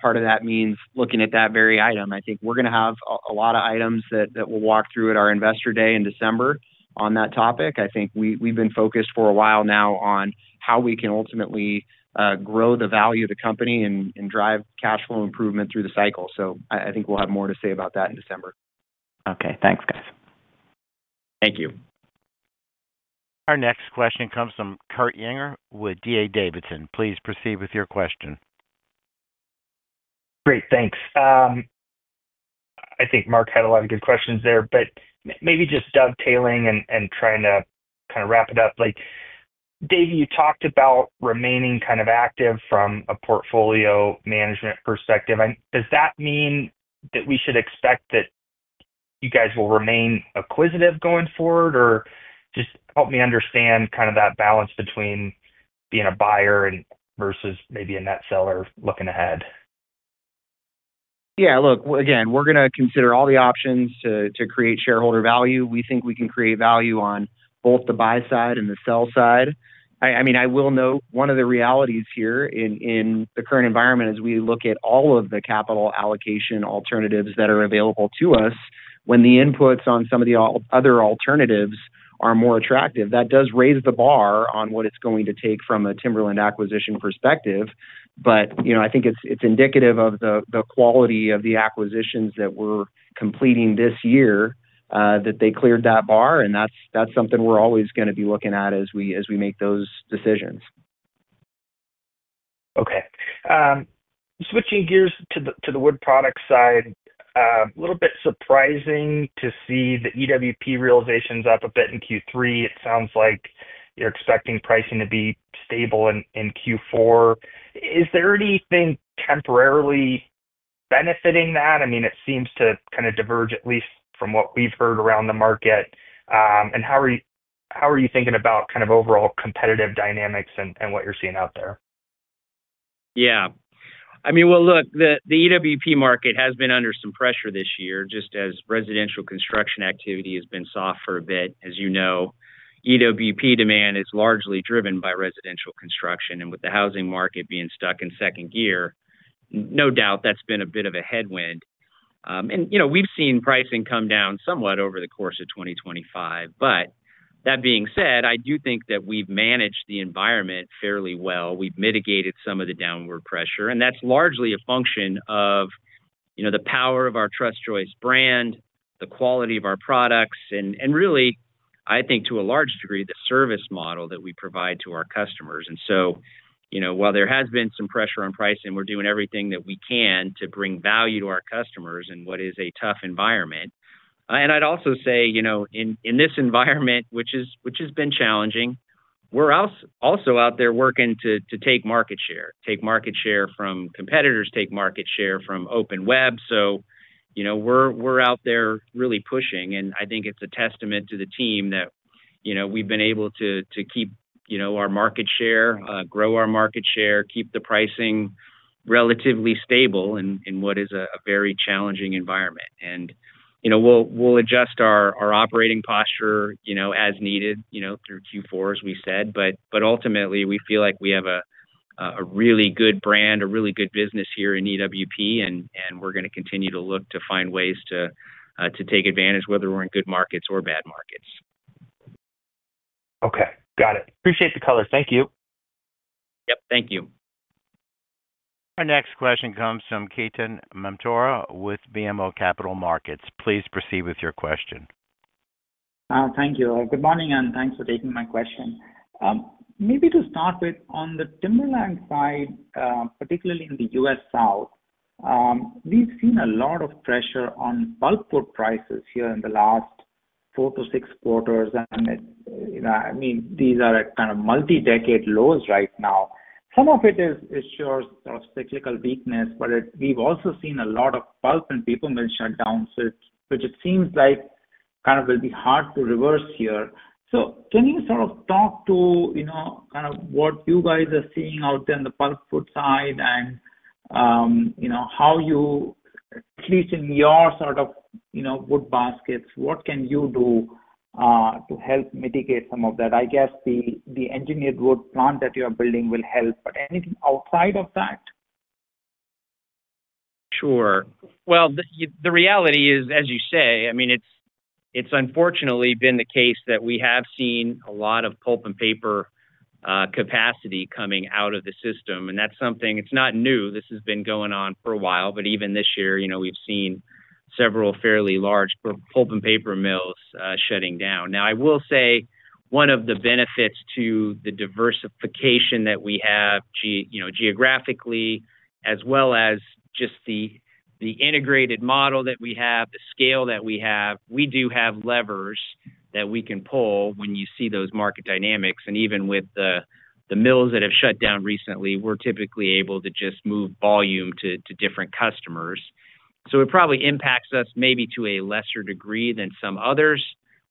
Part of that means looking at that very item. I think we're going to have a lot of items that we'll walk through at our Investor Day in December on that topic. I think we've been focused for a while now on how we can ultimately grow the value of the company and drive cash flow improvement through the cycle. I think we'll have more to say about that in December. Thanks, guys. Thank you. Our next question comes from Kurt Yinger with D.A. Davidson. Please proceed with your question. Great. Thanks. I think Mark had a lot of good questions there. Maybe just dovetailing and trying to kind of wrap it up. Dave, you talked about remaining kind of active from a portfolio management perspective. Does that mean that we should expect that you guys will remain acquisitive going forward? Help me understand that balance between being a buyer versus maybe a net seller looking ahead. Yeah. Look, again, we're going to consider all the options to create shareholder value. We think we can create value on both the buy side and the sell side. I will note one of the realities here in the current environment as we look at all of the capital allocation alternatives that are available to us, when the inputs on some of the other alternatives are more attractive, that does raise the bar on what it's going to take from a Timberland acquisition perspective. I think it's indicative of the quality of the acquisitions that we're completing this year that they cleared that bar. That's something we're always going to be looking at as we make those decisions. Switching gears to the wood products side, a little bit surprising to see the EWP realizations up a bit in Q3. It sounds like you're expecting pricing to be stable in Q4. Is there anything temporarily benefiting that? It seems to kind of diverge at least from what we've heard around the market. How are you thinking about overall competitive dynamics and what you're seeing out there? Yeah. The EWP market has been under some pressure this year just as residential construction activity has been soft for a bit. As you know, EWP demand is largely driven by residential construction. With the housing market being stuck in second gear, no doubt that's been a bit of a headwind. We've seen pricing come down somewhat over the course of 2025. That being said, I do think that we've managed the environment fairly well. We've mitigated some of the downward pressure. That's largely a function of the power of our Trust Choice brand, the quality of our products, and really, I think to a large degree, the service model that we provide to our customers. While there has been some pressure on pricing, we're doing everything that we can to bring value to our customers in what is a tough environment. I'd also say in this environment, which has been challenging, we're also out there working to take market share, take market share from competitors, take market share from open web. We're out there really pushing. I think it's a testament to the team that we've been able to keep our market share, grow our market share, keep the pricing relatively stable in what is a very challenging environment. We'll adjust our operating posture as needed through Q4, as we said. Ultimately, we feel like we have a really good brand, a really good business here in EWP, and we're going to continue to look to find ways to take advantage whether we're in good markets or bad markets. Okay. Got it. Appreciate the color. Thank you. Yep. Thank you. Our next question comes from Ketan Mamtora with BMO Capital Markets. Please proceed with your question. Thank you. Good morning and thanks for taking my question. Maybe to start with, on the Timberlands side, particularly in the U.S. South, we've seen a lot of pressure on bulk wood prices here in the last four to six quarters. I mean, these are at kind of multi-decade lows right now. Some of it is sure sort of cyclical weakness, but we've also seen a lot of pulp and paper mill shutdowns, which it seems like kind of will be hard to reverse here. Can you sort of talk to kind of what you guys are seeing out there on the pulp wood side and how you, at least in your sort of wood baskets, what can you do to help mitigate some of that? I guess the engineered wood plant that you are building will help, but anything outside of that? Sure. The reality is, as you say, it's unfortunately been the case that we have seen a lot of pulp and paper capacity coming out of the system. That's something that's not new. This has been going on for a while, but even this year, we've seen several fairly large pulp and paper mills shutting down. Now, I will say one of the benefits to the diversification that we have geographically, as well as just the integrated model that we have, the scale that we have, we do have levers that we can pull when you see those market dynamics. Even with the mills that have shut down recently, we're typically able to just move volume to different customers. It probably impacts us maybe to a lesser degree than some others.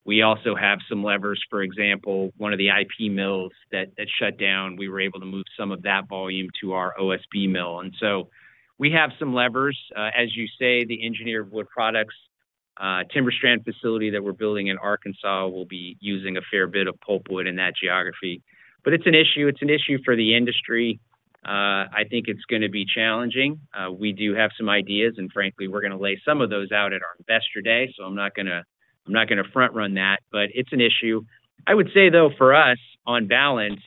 We also have some levers. For example, one of the IP mills that shut down, we were able to move some of that volume to our OSB mill. We have some levers. As you say, the engineered wood products, Timber Strand facility that we're building in Arkansas will be using a fair bit of pulp wood in that geography. It is an issue. It is an issue for the industry. I think it's going to be challenging. We do have some ideas. Frankly, we're going to lay some of those out at our Investor Day. I'm not going to front-run that. It is an issue. I would say, though, for us, on balance,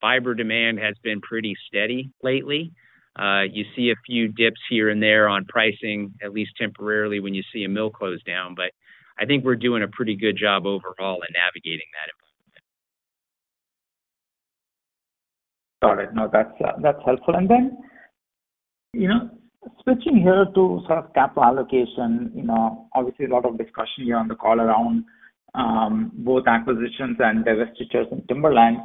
fiber demand has been pretty steady lately. You see a few dips here and there on pricing, at least temporarily, when you see a mill close down. I think we're doing a pretty good job overall in navigating that. Got it. No, that's helpful. Switching here to sort of capital allocation, obviously, a lot of discussion here on the call around both acquisitions and divestitures in Timberlands.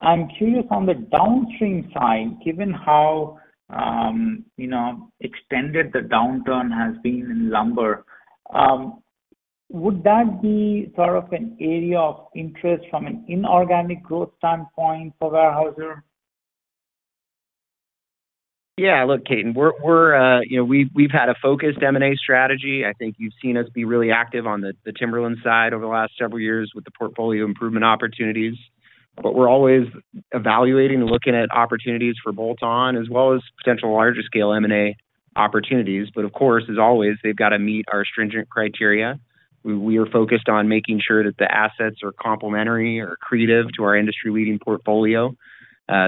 I'm curious on the downstream side, given how extended the downturn has been in lumber. Would that be sort of an area of interest from an inorganic growth standpoint for Weyerhaeuser? Yeah. Look, Ketan, we've had a focused M&A strategy. I think you've seen us be really active on the Timberlands side over the last several years with the portfolio improvement opportunities. We're always evaluating and looking at opportunities for bolt-on as well as potential larger-scale M&A opportunities. Of course, as always, they've got to meet our stringent criteria. We are focused on making sure that the assets are complementary or accretive to our industry-leading portfolio.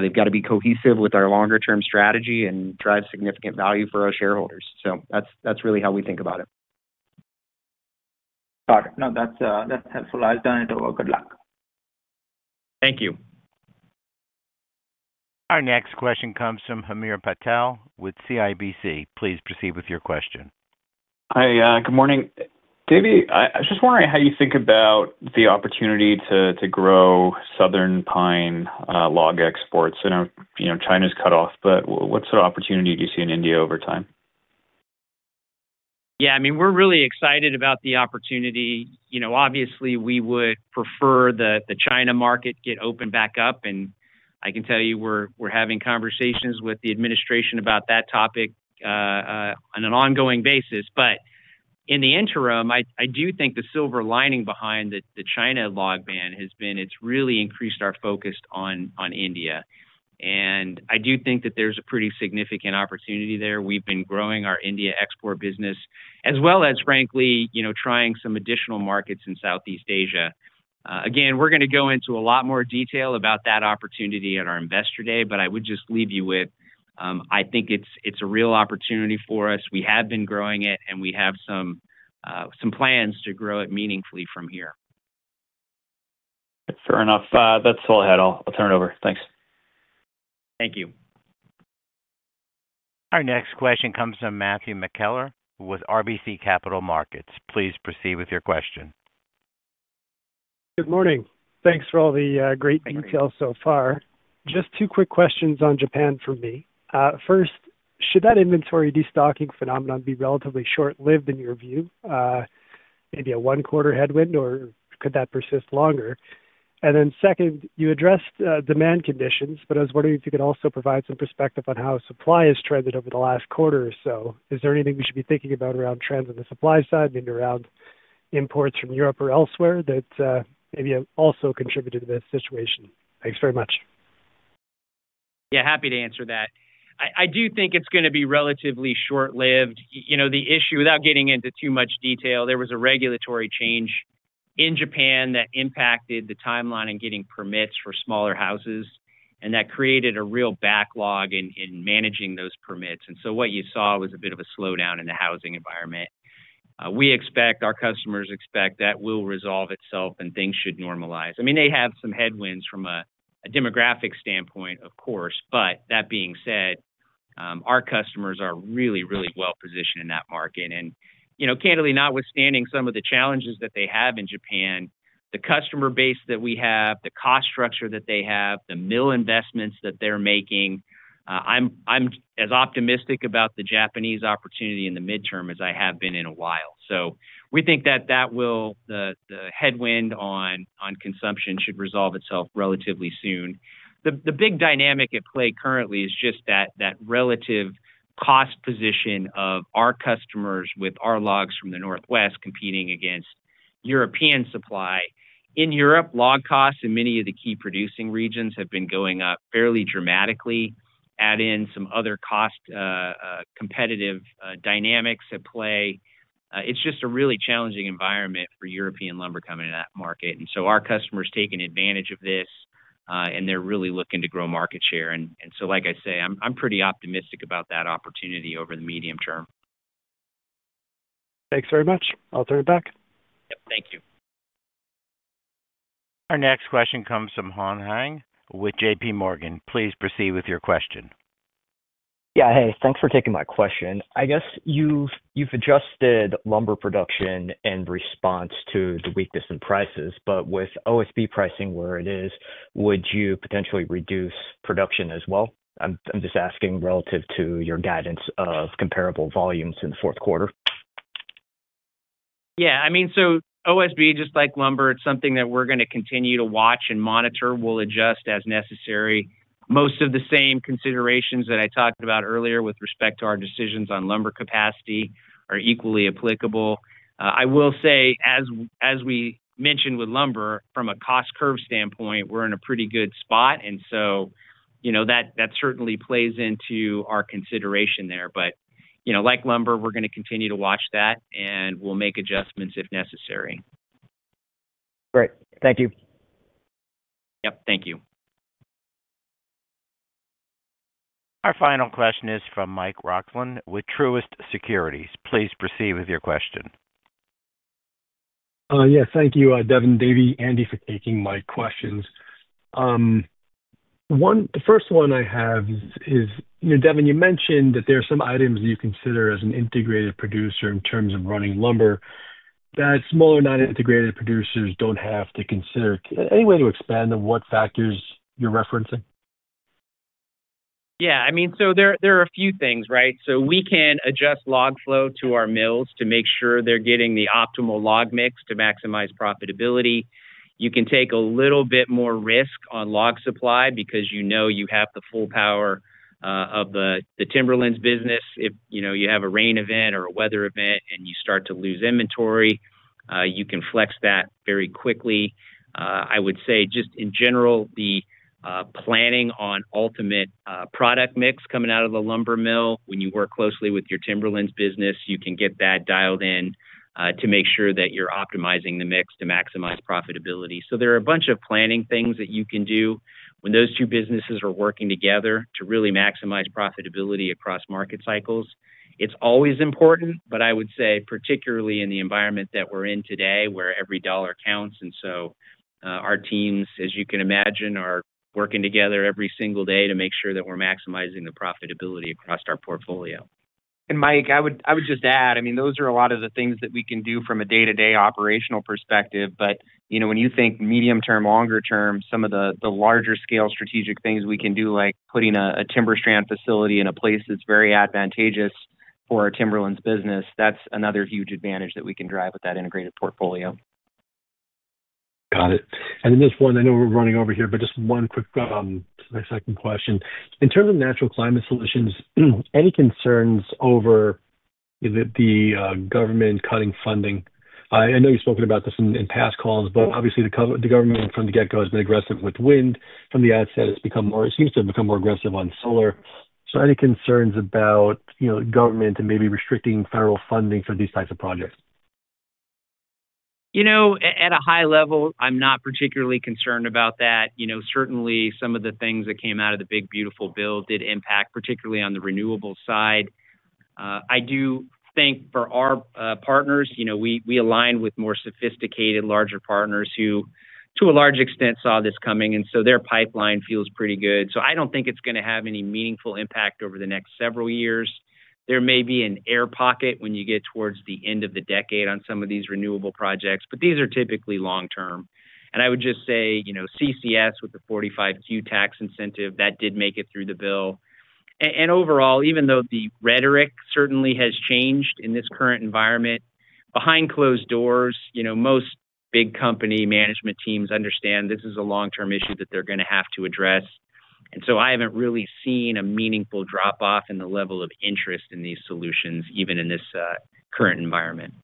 They've got to be cohesive with our longer-term strategy and drive significant value for our shareholders. That's really how we think about it. Got it. No, that's helpful. I'll turn it over. Good luck. Thank you. Our next question comes from Hamir Patel with CIBC. Please proceed with your question. Hi. Good morning. Davey, I was just wondering how you think about the opportunity to grow Southern Pine log exports. I know China's cut off, but what sort of opportunity do you see in India over time? Yeah. I mean, we're really excited about the opportunity. Obviously, we would prefer the China market get opened back up. I can tell you we're having conversations with the administration about that topic on an ongoing basis. In the interim, I do think the silver lining behind the China log ban has been it's really increased our focus on India. I do think that there's a pretty significant opportunity there. We've been growing our India export business as well as, frankly, trying some additional markets in Southeast Asia. We're going to go into a lot more detail about that opportunity at our Investor Day, but I would just leave you with I think it's a real opportunity for us. We have been growing it, and we have some plans to grow it meaningfully from here. Fair enough. That's all I had. I'll turn it over. Thanks. Thank you. Our next question comes from Matthew McKellar with RBC Capital Markets. Please proceed with your question. Good morning. Thanks for all the great details so far. Just two quick questions on Japan for me. First, should that inventory destocking phenomenon be relatively short-lived in your view? Maybe a one-quarter headwind, or could that persist longer? Second, you addressed demand conditions, but I was wondering if you could also provide some perspective on how supply has trended over the last quarter or so. Is there anything we should be thinking about around trends on the supply side, maybe around imports from Europe or elsewhere that maybe also contributed to this situation? Thanks very much. Yeah. Happy to answer that. I do think it's going to be relatively short-lived. The issue, without getting into too much detail, there was a regulatory change in Japan that impacted the timeline in getting permits for smaller houses. That created a real backlog in managing those permits, and so what you saw was a bit of a slowdown in the housing environment. We expect, our customers expect, that will resolve itself, and things should normalize. They have some headwinds from a demographic standpoint, of course. That being said, our customers are really, really well-positioned in that market. Candidly, notwithstanding some of the challenges that they have in Japan, the customer base that we have, the cost structure that they have, the mill investments that they're making, I'm as optimistic about the Japanese opportunity in the midterm as I have been in a while. We think that will. The headwind on consumption should resolve itself relatively soon. The big dynamic at play currently is just that relative cost position of our customers with our logs from the Northwest competing against European supply. In Europe, log costs in many of the key producing regions have been going up fairly dramatically, adding some other cost. Competitive dynamics at play. It's just a really challenging environment for European lumber coming to that market. Our customers are taking advantage of this, and they're really looking to grow market share. Like I say, I'm pretty optimistic about that opportunity over the medium term. Thank you very much. I'll turn it back. Thank you. Our next question comes from Hong Hang with JPMorgan. Please proceed with your question. Hey, thanks for taking my question. I guess you've adjusted lumber production in response to the weakness in prices. With OSB pricing where it is, would you potentially reduce production as well? I'm just asking relative to your guidance of comparable volumes in the fourth quarter. OSB, just like lumber, it's something that we're going to continue to watch and monitor. We'll adjust as necessary. Most of the same considerations that I talked about earlier with respect to our decisions on lumber capacity are equally applicable. I will say, as we mentioned with lumber, from a cost curve standpoint, we're in a pretty good spot. That certainly plays into our consideration there. Like lumber, we're going to continue to watch that, and we'll make adjustments if necessary. Thank you. Our final question is from Michael Roxland with Truist Securities. Please proceed with your question. Thank you, Devin, Davey, Andy, for taking my questions. The first one I have is, Devin, you mentioned that there are some items you consider as an integrated producer in terms of running lumber that smaller, non-integrated producers don't have to consider. Any way to expand on what factors you're referencing? There are a few things, right? We can adjust log flow to our mills to make sure they're getting the optimal log mix to maximize profitability. You can take a little bit more risk on log supply because you know you have the full power of the Timberlands business. If you have a rain event or a weather event and you start to lose inventory, you can flex that very quickly. I would say, just in general, the planning on ultimate product mix coming out of the lumber mill, when you work closely with your Timberlands business, you can get that dialed in to make sure that you're optimizing the mix to maximize profitability. There are a bunch of planning things that you can do when those two businesses are working together to really maximize profitability across market cycles. It's always important, particularly in the environment that we're in today, where every dollar counts. Our teams, as you can imagine, are working together every single day to make sure that we're maximizing the profitability across our portfolio. Mike, I would just add, those are a lot of the things that we can do from a day-to-day operational perspective. When you think medium-term, longer-term, some of the larger-scale strategic things we can do, like putting a Timber Strand facility in a place that's very advantageous for our Timberlands business, that's another huge advantage that we can drive with that integrated portfolio. Got it. This one, I know we're running over here, but just one quick second question. In terms of natural climate solutions, any concerns over the government cutting funding? I know you've spoken about this in past calls, but obviously, the government from the get-go has been aggressive with wind. From the outset, it seems to have become more aggressive on solar. Any concerns about government and maybe restricting federal funding for these types of projects? At a high level, I'm not particularly concerned about that. Certainly, some of the things that came out of the big, beautiful bill did impact, particularly on the renewable side. I do think for our partners, we align with more sophisticated, larger partners who, to a large extent, saw this coming. Their pipeline feels pretty good. I don't think it's going to have any meaningful impact over the next several years. There may be an air pocket when you get towards the end of the decade on some of these renewable projects, but these are typically long-term. I would just say carbon capture and sequestration with the 45Q tax incentive did make it through the bill. Overall, even though the rhetoric certainly has changed in this current environment, behind closed doors, most big company management teams understand this is a long-term issue that they're going to have to address. I haven't really seen a meaningful drop-off in the level of interest in these solutions, even in this current environment.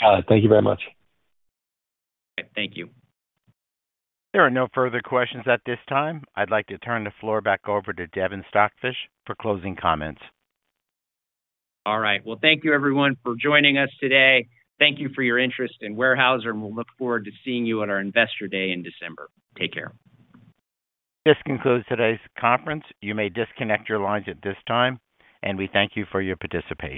Got it. Thank you very much. All right. Thank you. There are no further questions at this time. I'd like to turn the floor back over to Devin Stockfish for closing comments. Thank you, everyone, for joining us today. Thank you for your interest in Weyerhaeuser, and we'll look forward to seeing you at our Investor Day in December. Take care. This concludes today's conference. You may disconnect your lines at this time, and we thank you for your participation.